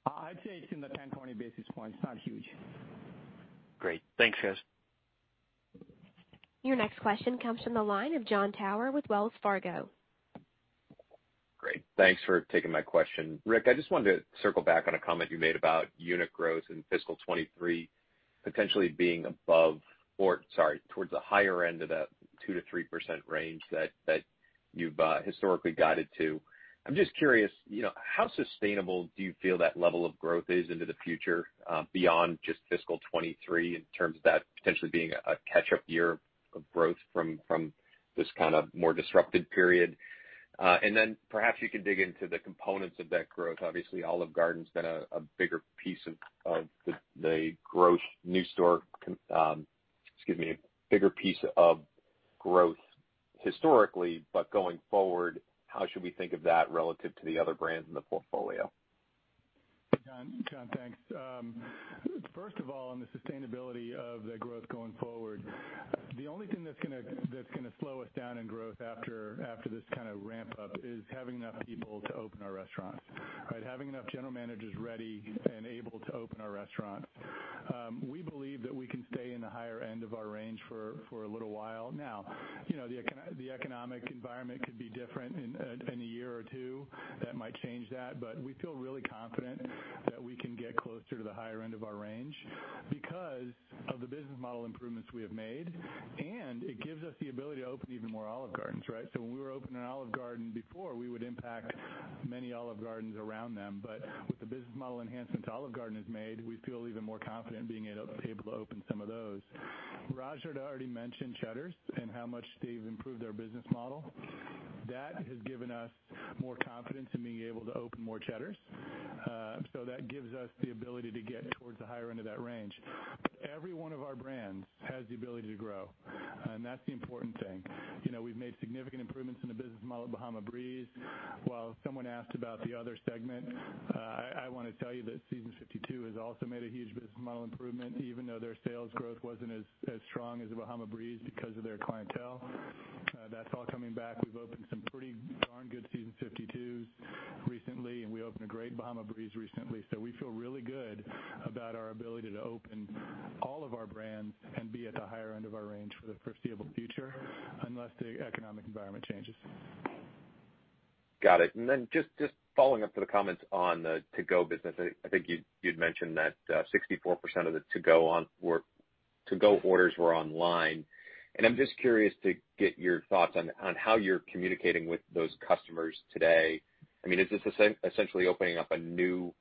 I'd say it's in the 10, 20 basis points. Not huge. Great. Thanks, guys. Your next question comes from the line of Jon Tower with Wells Fargo. Great. Thanks for taking my question. Rick, I just wanted to circle back on a comment you made about unit growth in FY 2023 potentially being above or, sorry, towards the higher end of that 2%-3% range that you've historically guided to. I'm just curious, how sustainable do you feel that level of growth is into the future beyond just FY 2023 in terms of that potentially being a catch-up year of growth from this more disruptive period? Perhaps you can dig into the components of that growth. Obviously, Olive Garden's been a bigger piece of growth historically, going forward, how should we think of that relative to the other brands in the portfolio? Jon, thanks. First of all, on the sustainability of the growth going forward, the only thing that's going to slow us down in growth after this ramp up is having enough people to open our restaurants, right? Having enough general managers ready and able to open our restaurants. We believe that we can stay in the higher end of our range for a little while. The economic environment could be different in a year or two. That might change that, but we feel really confident that we can get closer to the higher end of our range because of the business model improvements we have made, and it gives us the ability to open even more Olive Gardens, right? When we were opening an Olive Garden before, we would impact many Olive Gardens around them. With the business model enhancements Olive Garden has made, we feel even more confident being able to open some of those. Raj had already mentioned Cheddar's and how much they've improved their business model. That has given us more confidence in being able to open more Cheddar's. That gives us the ability to get towards the higher end of that range. Every one of our brands has the ability to grow, and that's the important thing. We've made significant improvements in the business model of Bahama Breeze. While someone asked about the other segment, I want to tell you that Seasons 52 has also made a huge business model improvement, even though their sales growth wasn't as strong as Bahama Breeze because of their clientele. That's all coming back. We've opened some pretty darn good Seasons 52s recently, and we opened a great Bahama Breeze recently. We feel really good about our ability to open all of our brands and be at the higher end of our range for the foreseeable future, unless the economic environment changes. Got it. Just following up to the comments on the To Go business, I think you'd mentioned that 64% of the To Go orders were online, and I'm just curious to get your thoughts on how you're communicating with those customers today. Is this essentially opening up a new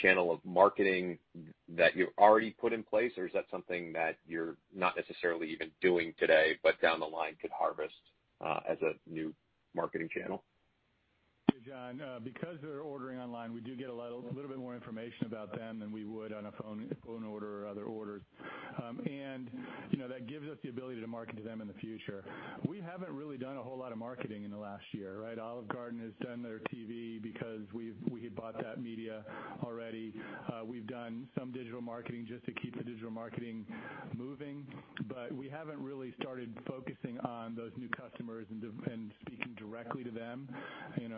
channel of marketing that you've already put in place, or is that something that you're not necessarily even doing today but down the line could harvest as a new marketing channel? Yeah, Jon, because they're ordering online, we do get a little bit more information about them than we would on a phone order or other orders. That gives us the ability to market to them in the future. We haven't really done a whole lot of marketing in the last year. Olive Garden has done their TV because we had bought that media already. We've done some digital marketing just to keep the digital marketing moving, but we haven't really started focusing on those new customers and speaking directly to them.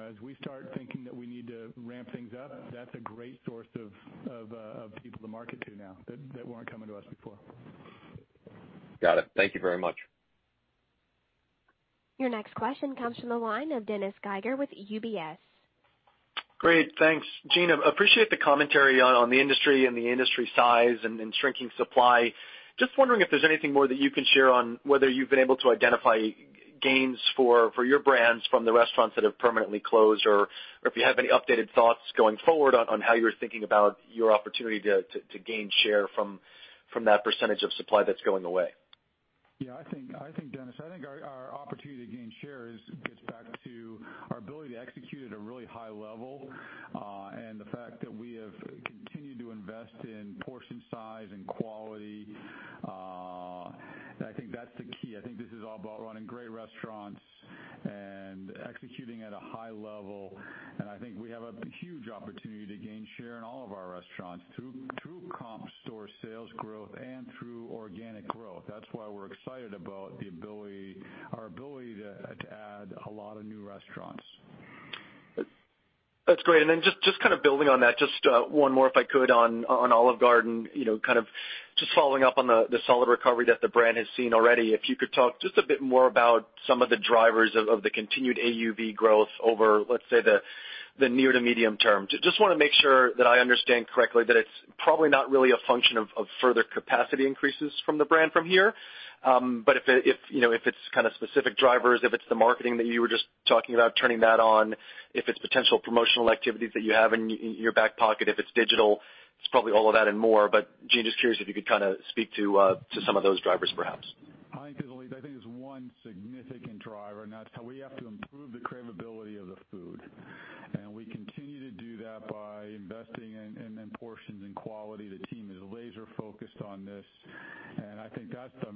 As we start thinking that we need to ramp things up, that's a great source of people to market to now that weren't coming to us before. Got it. Thank you very much. Your next question comes from the line of Dennis Geiger with UBS. Great. Thanks. Gene, appreciate the commentary on the industry and the industry size and shrinking supply. Just wondering if there's anything more that you can share on whether you've been able to identify gains for your brands from the restaurants that have permanently closed, or if you have any updated thoughts going forward on how you're thinking about your opportunity to gain share from that percentage of supply that's going away. I think, Dennis, our opportunity to gain share gets back to our ability to execute at a really high level, and the fact that we have continued to invest in portion size and quality. I think that's the key. I think this is all about running great restaurants and executing at a high level. I think we have a huge opportunity to gain share in all of our restaurants through comp store sales growth and through organic growth. That's why we're excited about our ability to add a lot of new restaurants. That's great. Just building on that, just one more, if I could, on Olive Garden. Just following up on the solid recovery that the brand has seen already. If you could talk just a bit more about some of the drivers of the continued AUV growth over, let's say, the near to medium term. Just want to make sure that I understand correctly that it's probably not really a function of further capacity increases from the brand from here. If it's specific drivers, if it's the marketing that you were just talking about turning that on, if it's potential promotional activities that you have in your back pocket, if it's digital, it's probably all of that and more. Gene, just curious if you could speak to some of those drivers, perhaps. I think there's one significant driver, and that's how we have to improve the crave-ability of the food. We continue to do that by investing in portions and quality. The team is laser-focused on this, and I think that's the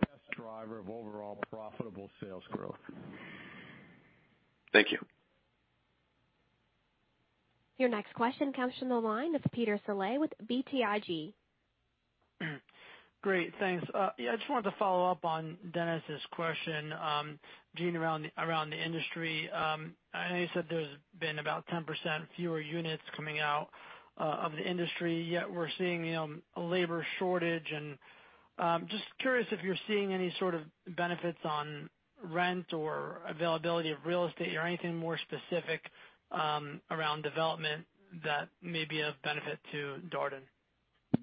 best driver of overall profitable sales growth. Thank you. Your next question comes from the line of Peter Saleh with BTIG. Great. Thanks. Yeah, just wanted to follow up on Dennis' question, Gene, around the industry. I know you said there's been about 10% fewer units coming out of the industry, yet we're seeing a labor shortage. Just curious if you're seeing any sort of benefits on rent or availability of real estate or anything more specific around development that may be of benefit to Darden.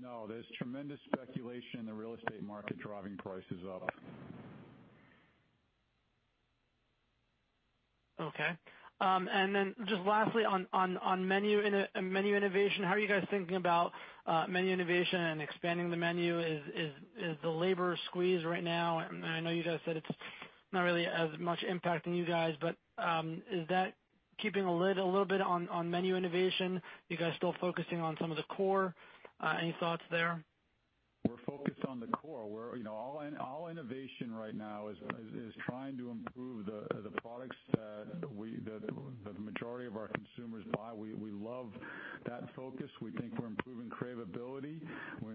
No, there's tremendous speculation in the real estate market driving prices up. Okay. Just lastly on menu innovation. How are you guys thinking about menu innovation and expanding the menu? Is the labor squeeze right now, and I know you guys said it's not really as much impacting you guys, but is that keeping a lid a little bit on menu innovation? You guys still focusing on some of the core? Any thoughts there? We're focused on the core, where all innovation right now is trying to improve the products that the majority of our consumers buy. We love that focus. We think we're improving crave-ability. We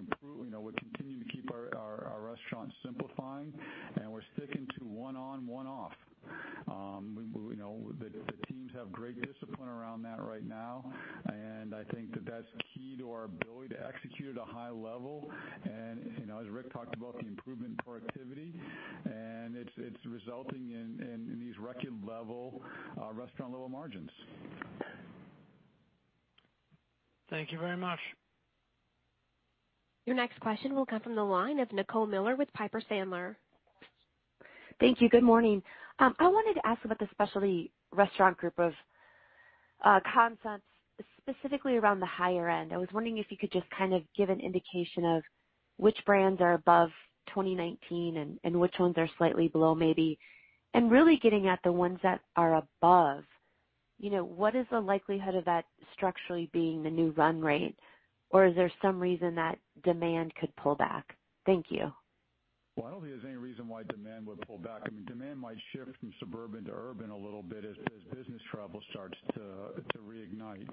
continue to keep our restaurants simplifying, and we're sticking to one on, one off. The teams have great discipline around that right now, and I think that that's key to our ability to execute at a high level. As Rick talked about the improvement in productivity, and it's resulting in these record level restaurant level margins. Thank you very much. Your next question will come from the line of Nicole Miller with Piper Sandler. Thank you. Good morning. I wanted to ask about the specialty restaurant group of concepts, specifically around the higher end. I was wondering if you could just give an indication of which brands are above 2019 and which ones are slightly below maybe, and really getting at the ones that are above. What is the likelihood of that structurally being the new run rates? Or is there some reason that demand could pull back? Thank you. Well, I don't think there's any reason why demand would pull back. Demand might shift from suburban to urban a little bit as business travel starts to reignite.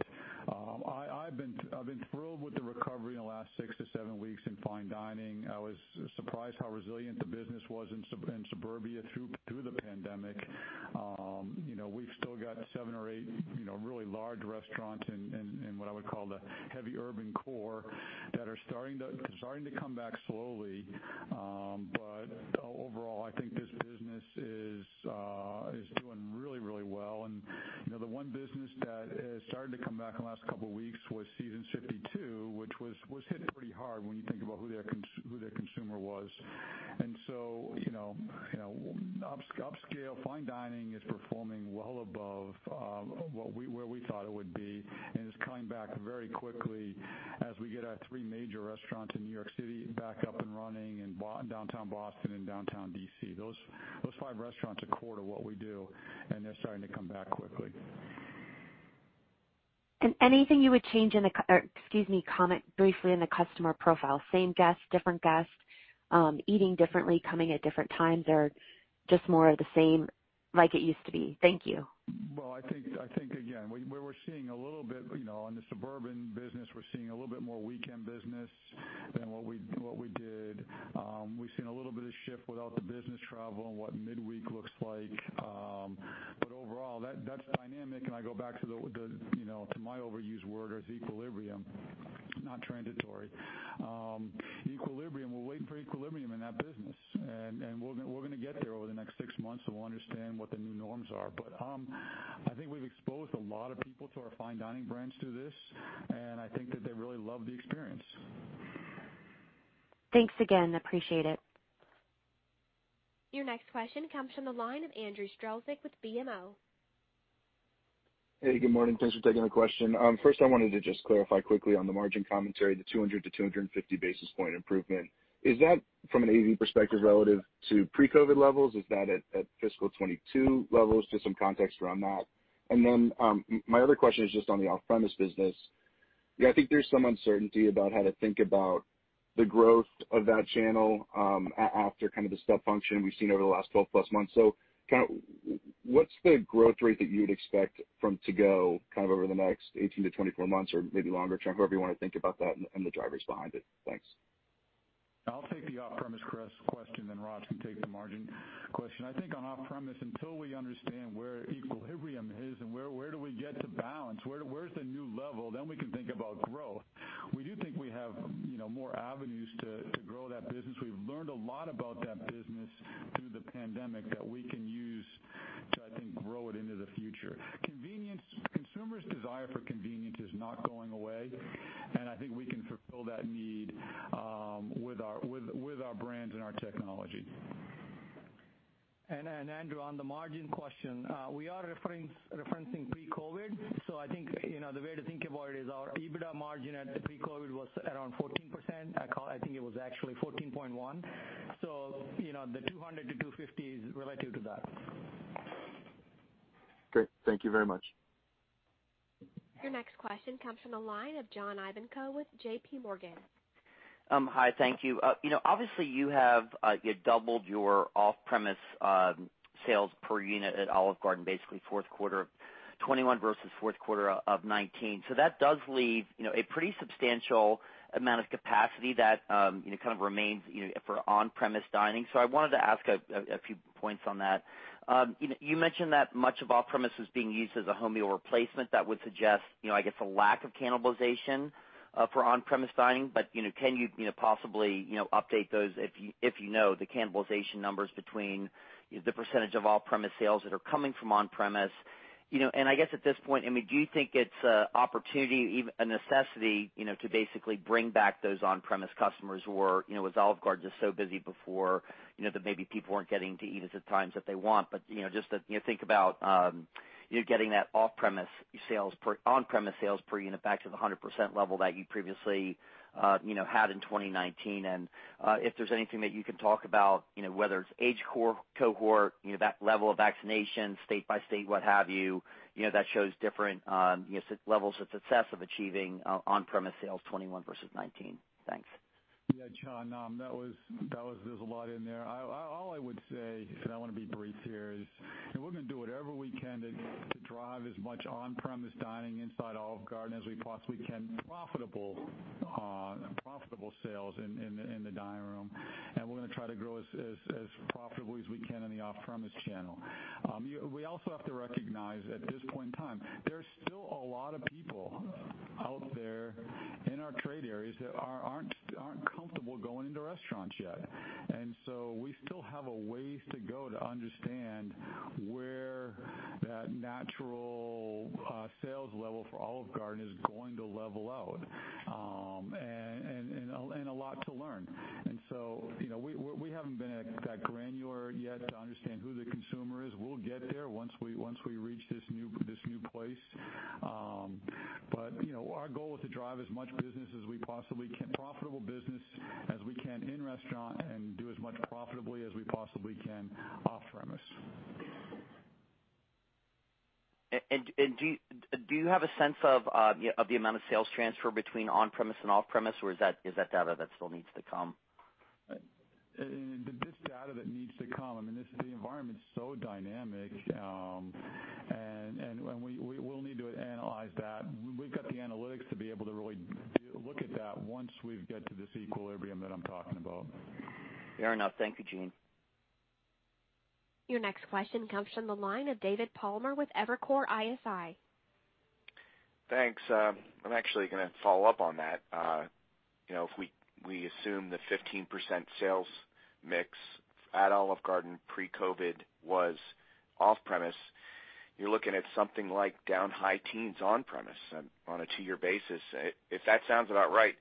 I've been thrilled with the recovery in the last six to seven weeks in fine dining. I was surprised how resilient the business was in suburbia through the pandemic. We've still got seven or eight really large restaurants in what I would call the heavy urban core that are starting to come back slowly. Overall, I think this is doing really well. The one business that has started to come back in the last couple of weeks was Seasons 52, which was hit pretty hard when you think about who their consumer was. Upscale fine dining is performing well above where we thought it would be and is coming back very quickly as we get our three major restaurants in New York City back up and running in downtown Boston and downtown D.C. Those five restaurants are core to what we do, and they're starting to come back quickly. Anything you would, excuse me, comment briefly on the customer profile. Same guests, different guests, eating differently, coming at different times, or just more of the same like it used to be? Thank you. Well, I think, again, in the suburban business, we're seeing a little bit more weekend business than what we did. We've seen a little bit of shift without the business travel and what midweek looks like. Overall, that's dynamic, and I go back to my overused word is equilibrium, not transitory. Equilibrium. We're waiting for equilibrium in that business. We're going to get there over the next six months, and we'll understand what the new norms are. I think we've exposed a lot of people to our fine dining brands through this, and I think that they really love the experience. Thanks again. Appreciate it. Your next question comes from the line of Andrew Strelzik with BMO. Hey, good morning. Thanks for taking the question. I wanted to just clarify quickly on the margin commentary, the 200-250 basis points improvement. Is that from an AUV perspective relative to pre-COVID-19 levels? Is that at fiscal 2022 levels? Just some context around that. My other question is just on the off-premise business. I think there's some uncertainty about how to think about the growth of that channel after the step function we've seen over the last 12+ months. What's the growth rate that you would expect from To Go over the next 18-24 months or maybe longer term, however you want to think about that and the drivers behind it? Thanks. I'll take the off-premise question, then Raj can take the margin question. I think on off-premise, until we understand where equilibrium is and where do we get to balance, where's the new level, then we can think about growth. We do think we have more avenues to grow that business. We've learned a lot about that business through the pandemic that we can use to, I think, grow it into the future. Consumers' desire for convenience is not going away, and I think we can fulfill that need with our brands and our technology. Andrew, on the margin question, we are referencing pre-COVID. I think the way to think about it is our EBITDA margin at pre-COVID was around 14%. I think it was actually 14.1%. The 200-250 basis points is relative to that. Great. Thank you very much. The next question comes from the line of John Ivankoe with JPMorgan. Hi, thank you. Obviously, you doubled your off-premise sales per unit at Olive Garden, basically fourth quarter of 2021 versus fourth quarter of 2019. That does leave a pretty substantial amount of capacity that remains for on-premise dining. I wanted to ask a few points on that. You mentioned that much of off-premise was being used as a home meal replacement. That would suggest, I guess, a lack of cannibalization for on-premise dining. Can you possibly update those, if you know the cannibalization numbers between the percentage of off-premise sales that are coming from on-premise? I guess at this point, do you think it's an opportunity, a necessity, to basically bring back those on-premise customers who were with Olive Garden so busy before, that maybe people weren't getting to eat at the times that they want? Just to think about getting that on-premise sales per unit back to the 100% level that you previously had in 2019, and if there's anything that you can talk about, whether it's age cohort, level of vaccination state by state, what have you, that shows different levels of success of achieving on-premise sales 2021 versus 2019. Thanks. Yeah, John, there's a lot in there. All I would say, because I want to be brief here, is we're going to do whatever we can to drive as much on-premise dining inside Olive Garden as we possibly can, profitable sales in the dining room, and we're going to try to grow as profitably as we can in the off-premise channel. We also have to recognize at this point in time, there's still a lot of people out there in our trade areas that aren't comfortable going to restaurants yet. We still have a ways to go to understand where that natural sales level for Olive Garden is going to level out. A lot to learn. We haven't been that granular yet to understand who the consumer is. We'll get there once we reach this new place. Our goal is to drive as much business as we possibly can, profitable business as we can in restaurant and do as much profitably as we possibly can off-premise. Do you have a sense of the amount of sales transfer between on-premise and off-premise, or is that data that still needs to come? This is data that needs to come, the environment's so dynamic. We'll need to analyze that, and we've got the analytics to be able to really look at that once we get to this equilibrium that I'm talking about. Fair enough. Thank you, Gene. Your next question comes from the line of David Palmer with Evercore ISI. Thanks. I'm actually going to follow up on that. If we assume the 15% sales mix at Olive Garden pre-COVID-19 was off-premise, you're looking at something like down high teens on-premise on a two-year basis. If that sounds about right,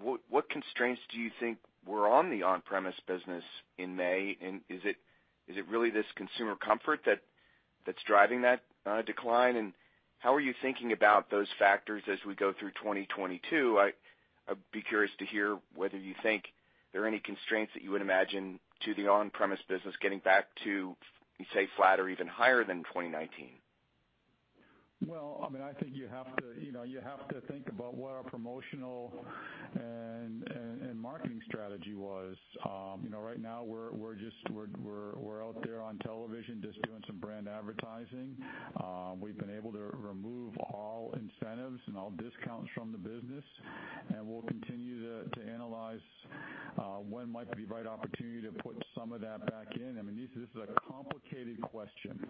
what constraints do you think were on the on-premise business in May? Is it really this consumer comfort that's driving that decline? How are you thinking about those factors as we go through 2022? I'd be curious to hear whether you think there are any constraints that you would imagine to the on-premise business getting back to, say, flat or even higher than 2019. I think you have to think about what our promotional and marketing strategy was. Right now we're out there on television just doing some brand advertising. We've been able to remove all incentives and all discounts from the business, and we'll continue to analyze when might be the right opportunity to put some of that back in. This is a complicated question.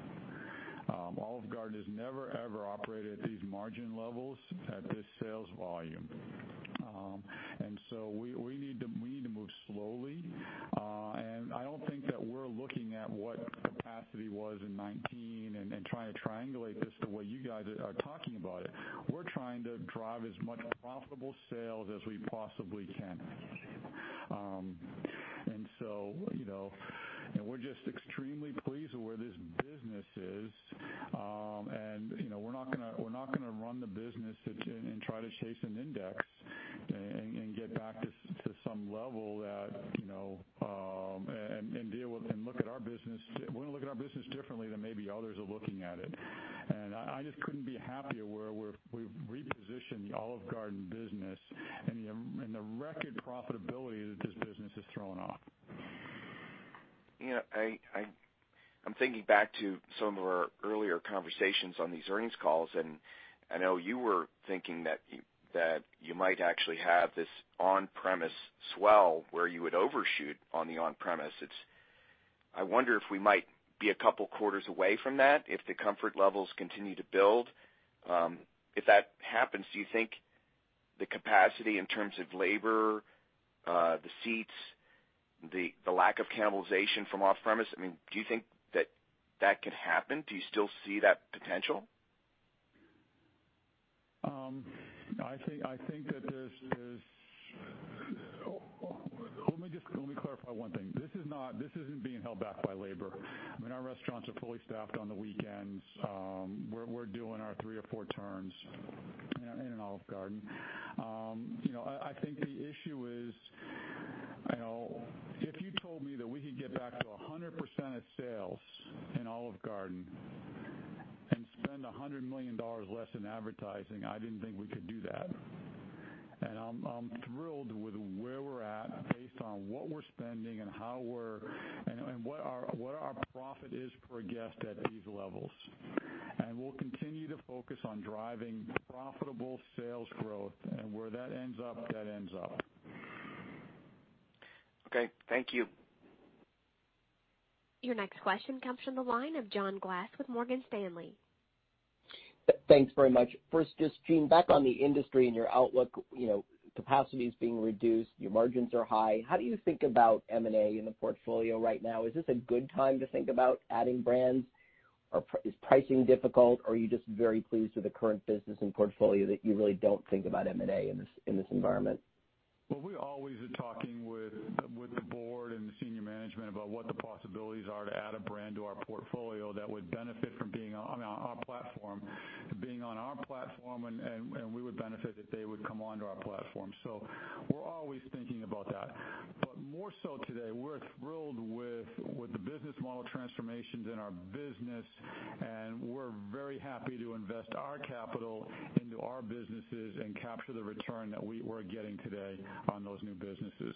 Olive Garden has never, ever operated at these margin levels, at this sales volume. We need to move slowly. I don't think that we're looking at what capacity was in 2019 and trying to triangulate this the way you guys are talking about it. We're trying to drive as much profitable sales as we possibly can. We're just extremely pleased with where this business is. We're not going to run the business and try to chase an index and get back to some level and look at our business differently than maybe others are looking at it. I just couldn't be happier where we've repositioned the Olive Garden business and the record profitability that this business has thrown off. I'm thinking back to some of our earlier conversations on these earnings calls, and I know you were thinking that you might actually have this on-premise swell where you would overshoot on the on-premise. I wonder if we might be a couple quarters away from that if the comfort levels continue to build. If that happens, do you think the capacity in terms of labor, the seats, the lack of cannibalization from off-premise, do you think that could happen? Do you still see that potential? Let me clarify one thing. This isn't being held back by labor. Our restaurants are fully staffed on the weekends. We're doing our three or four turns in Olive Garden. I think the issue is if you told me that we could get back to 100% of sales in Olive Garden and spend $100 million less in advertising, I didn't think we could do that. I'm thrilled with where we're at based on what we're spending and what our profit is per guest at these levels. We'll continue to focus on driving profitable sales growth and where that ends up, that ends up. Okay. Thank you. Your next question comes from the line of John Glass with Morgan Stanley. Thanks very much. Just Gene, back on the industry and your outlook. Capacity is being reduced, your margins are high. How do you think about M&A in the portfolio right now? Is this a good time to think about adding brands? Is pricing difficult or are you just very pleased with the current business and portfolio that you really don't think about M&A in this environment? We always are talking with the board and the senior management about what the possibilities are to add a brand to our portfolio that would benefit from being on our platform and we would benefit if they would come onto our platform. We're always thinking about that. More so today, we're thrilled with the business model transformations in our business, and we're very happy to invest our capital into our businesses and capture the return that we are getting today on those new businesses.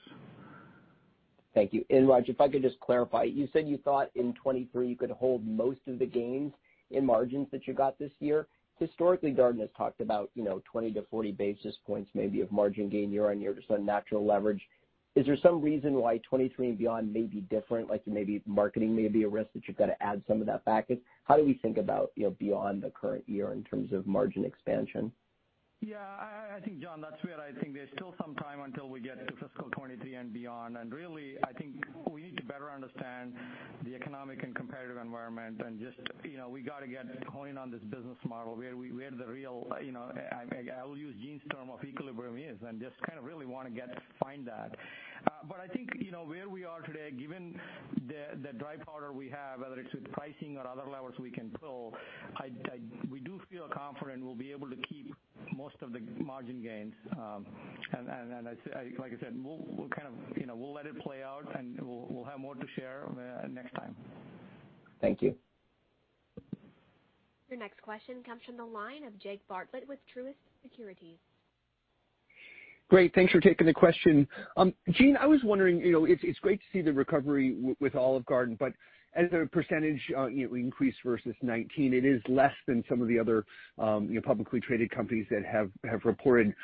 Thank you. Raj, if I could just clarify, you said you thought in 2023 you could hold most of the gains in margins that you got this year. Historically, Darden has talked about 20 basis points-40 basis points maybe of margin gain year-over-year, so natural leverage. Is there some reason why 2023 and beyond may be different, like maybe marketing may be a risk that you've got to add some of that back in? How do you think about beyond the current year in terms of margin expansion? Yeah. I think, John, that's real. I think there's still some time until we get to fiscal 2023 and beyond, and really, I think we need to better understand the economic and competitive environment and just we got to get a toe in on this business model where the real, I'll use Gene's term of equilibrium is, and just really want to find that. I think where we are today, given the dry powder we have, whether it's with pricing or other levers we can pull, we do feel confident we'll be able to keep most of the margin gains. Like I said, we'll let it play out and we'll have more to share next time. Thank you. The next question comes from the line of Jake Bartlett with Truist Securities. Great. Thanks for taking the question. Gene, I was wondering, it's great to see the recovery with Olive Garden, but as a percentage increase versus 2019, it is less than some of the other publicly traded companies that have reported.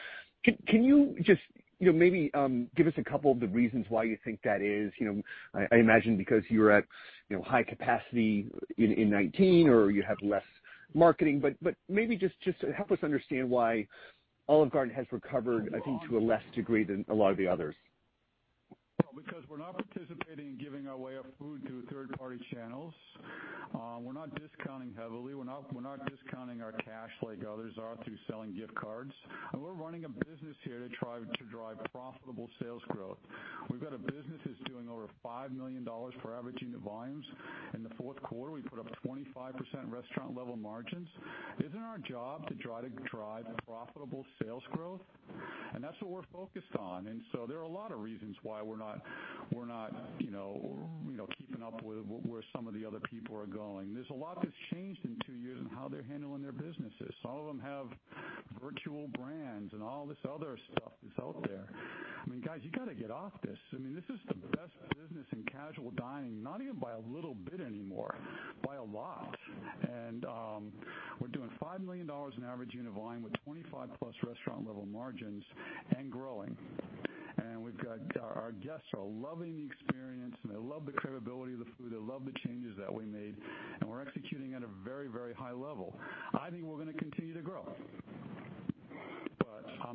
Can you just maybe give us a couple of the reasons why you think that is? I imagine because you're at high capacity in 2019 or you have less marketing, but maybe just help us understand why Olive Garden has recovered, I think, to a lesser degree than a lot of the others. We're not participating in giving away our food to third-party channels. We're not discounting heavily. We're not discounting our cash like others are through selling gift cards. We're running a business here to try to drive profitable sales growth. We've got a business that's doing over $5 million for average unit volumes in the fourth quarter. We put up 25% restaurant-level margins. Isn't our job to try to drive profitable sales growth? That's what we're focused on. There are a lot of reasons why we're not keeping up with where some of the other people are going. There's a lot that's changed in two years in how they're handling their businesses. Some of them have virtual brands and all this other stuff that's out there. Guys, you got to get off this. This is the best business in casual dining, not even by a little bit anymore, by a lot. We're doing $5 million in average unit volume with 25+ restaurant-level margins and growing. Our guests are loving the experience, and they love the credibility of the food. They love the changes that we made, and we're executing at a very, very high level. I think we're going to continue to grow.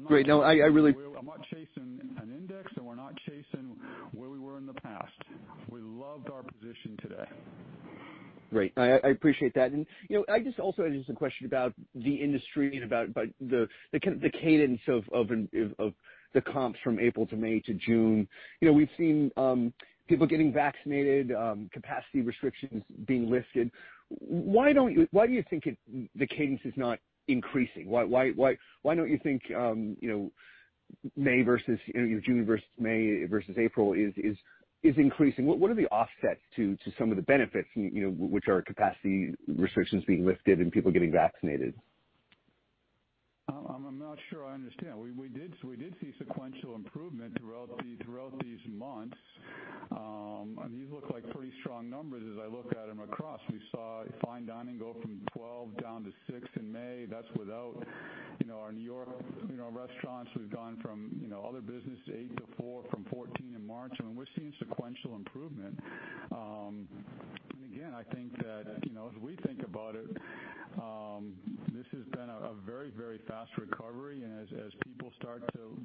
Great. I'm not chasing an index, and we're not chasing where we were in the past. We loved our position today. Great. I appreciate that. I guess also the question about the industry and about the cadence of the comps from April to May to June. We've seen people getting vaccinated, capacity restrictions being lifted. Why do you think the cadence is not increasing? Why don't you think June versus May versus April is increasing? What are the offsets to some of the benefits, which are capacity restrictions being lifted and people getting vaccinated? I'm not sure I understand. We did see sequential improvement throughout these months. These look like pretty strong numbers as I look at them across. We saw fine dining go from 12 down to six in May. That's without our N.Y. restaurants. We've gone from Other business eight to four from 14 in March, and we're seeing sequential improvement. Again, I think that, as we think about it, this has been a very, very fast recovery. As people start to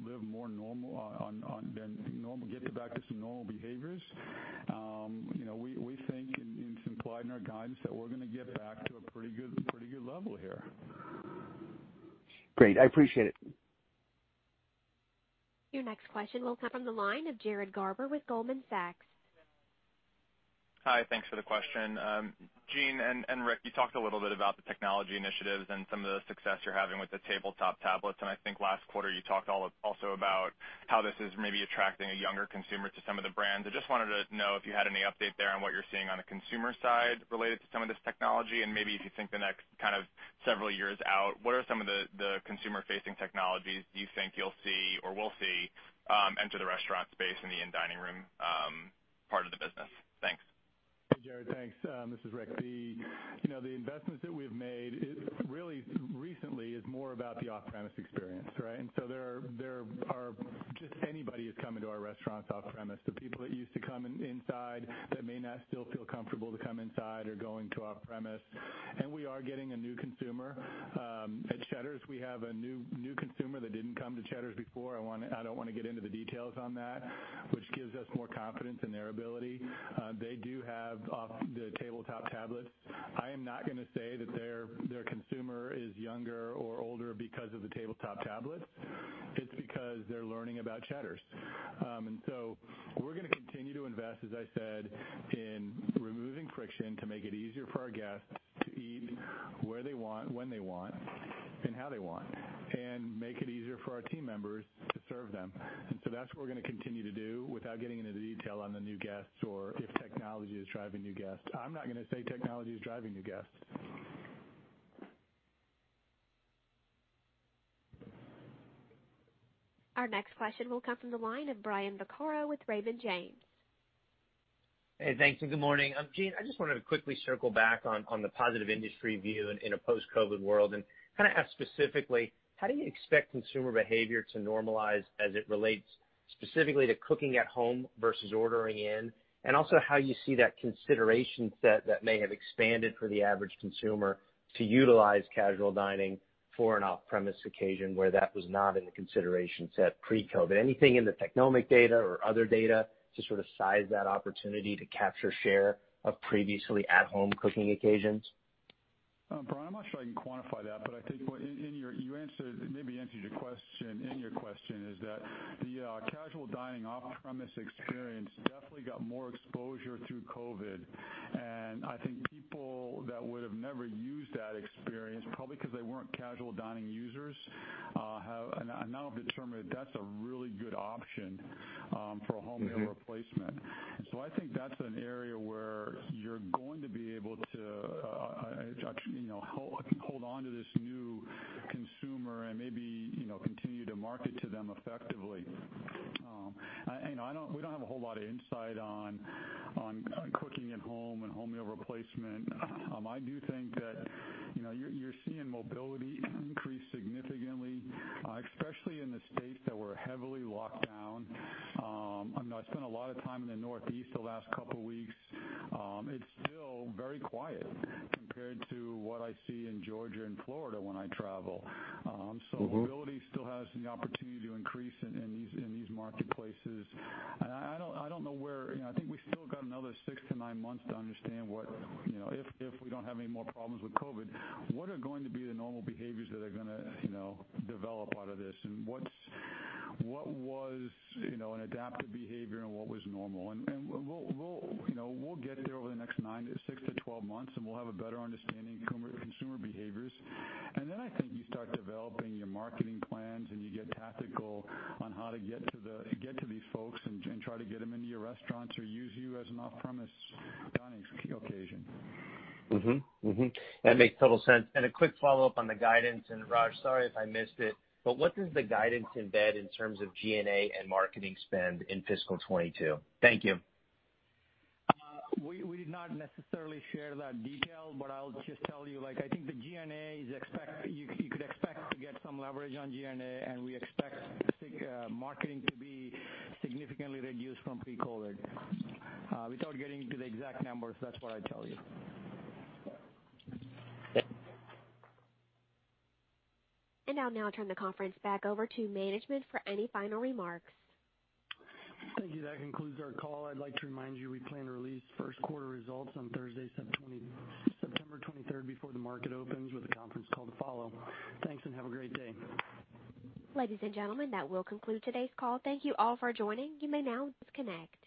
get back to some normal behaviors, we think, and it's implied in our guidance, that we're going to get back to a pretty good level here. Great. I appreciate it. Your next question will come from the line of Jared Garber with Goldman Sachs. Hi, thanks for the question. Gene and Rick, you talked a little bit about the technology initiatives and some of the success you're having with the tabletop tablets, and I think last quarter you talked also about how this is maybe attracting a younger consumer to some of the brands. I just wanted to know if you had any update there on what you're seeing on the consumer side related to some of this technology, and maybe if you think the next kind of several years out, what are some of the consumer-facing technologies you think you'll see or we'll see enter the restaurant space in the in-dining room part of the business? Thanks. Jared, thanks. This is Rick. The investments that we've made really recently is more about the off-premise experience, right? Just anybody that's coming to our restaurants off-premise, the people that used to come inside that may not still feel comfortable to come inside are going to off-premise. We are getting a new consumer. At Cheddar's, we have a new consumer that didn't come to Cheddar's before. I don't want to get into the details on that, which gives us more confidence in their ability. They do have the tabletop tablets. I am not going to say that their consumer is younger or older because of the tabletop tablets. It's because they're learning about Cheddar's. We're going to continue to invest, as I said, in removing friction to make it easier for our guests to eat where they want, when they want, and how they want, and make it easier for our team members to serve them. That's what we're going to continue to do without getting into detail on the new guests or if technology is driving new guests. I'm not going to say technology is driving new guests. Our next question will come from the line of Brian Vaccaro with Raymond James. Hey, thanks, and good morning. Gene, I just wanted to quickly circle back on the positive industry view in a post-COVID world and kind of ask specifically, how do you expect consumer behavior to normalize as it relates specifically to cooking at home versus ordering in? Also how you see that consideration set that may have expanded for the average consumer to utilize casual dining for an off-premise occasion where that was not in the consideration set pre-COVID. Anything in the Technomic data or other data to size that opportunity to capture share of previously at-home cooking occasions? Brian, I'm not sure I can quantify that, but I think maybe the answer to your question is that the casual dining off-premise experience definitely got more exposure through COVID-19, I think people that would have never used that experience, probably because they weren't casual dining users, have now determined that that's a really good option for home meal replacement. I think that's an area where you're going to be able to actually hold onto this new consumer and maybe continue to market to them effectively. We don't have a whole lot of insight on cooking at home and home meal replacement. I do think that you're seeing mobility increase significantly, especially in the states that were heavily locked down. I spent a lot of time in the Northeast the last couple of weeks. It's still very quiet compared to what I see in Georgia and Florida when I travel. Mobility still has some opportunity to increase in these marketplaces. I think we still got another six to nine months to understand if we don't have any more problems with COVID-19, what are going to be the normal behaviors that are going to develop out of this? What was an adaptive behavior and what was normal? We'll get there over the next 6-12 months, and we'll have a better understanding of consumer behaviors. Then I think you start developing your marketing plans, and you get tactical on how to get to these folks and try to get them into your restaurants or use you as an off-premise dining occasion. That makes total sense. A quick follow-up on the guidance. Raj, sorry if I missed it, but what does the guidance embed in terms of G&A and marketing spend in fiscal 2022? Thank you. We did not necessarily share that detail, but I'll just tell you, I think you could expect to get some leverage on G&A, and we expect marketing to be significantly reduced from pre-COVID. Without getting into the exact numbers, that's what I'd tell you. I'll now turn the conference back over to management for any final remarks. Thank you. That concludes our call. I'd like to remind you, we plan to release first quarter results on Thursday, September 23rd, before the market opens with a conference call to follow. Thanks, and have a great day. Ladies and gentlemen, that will conclude today's call. Thank you all for joining. You may now disconnect.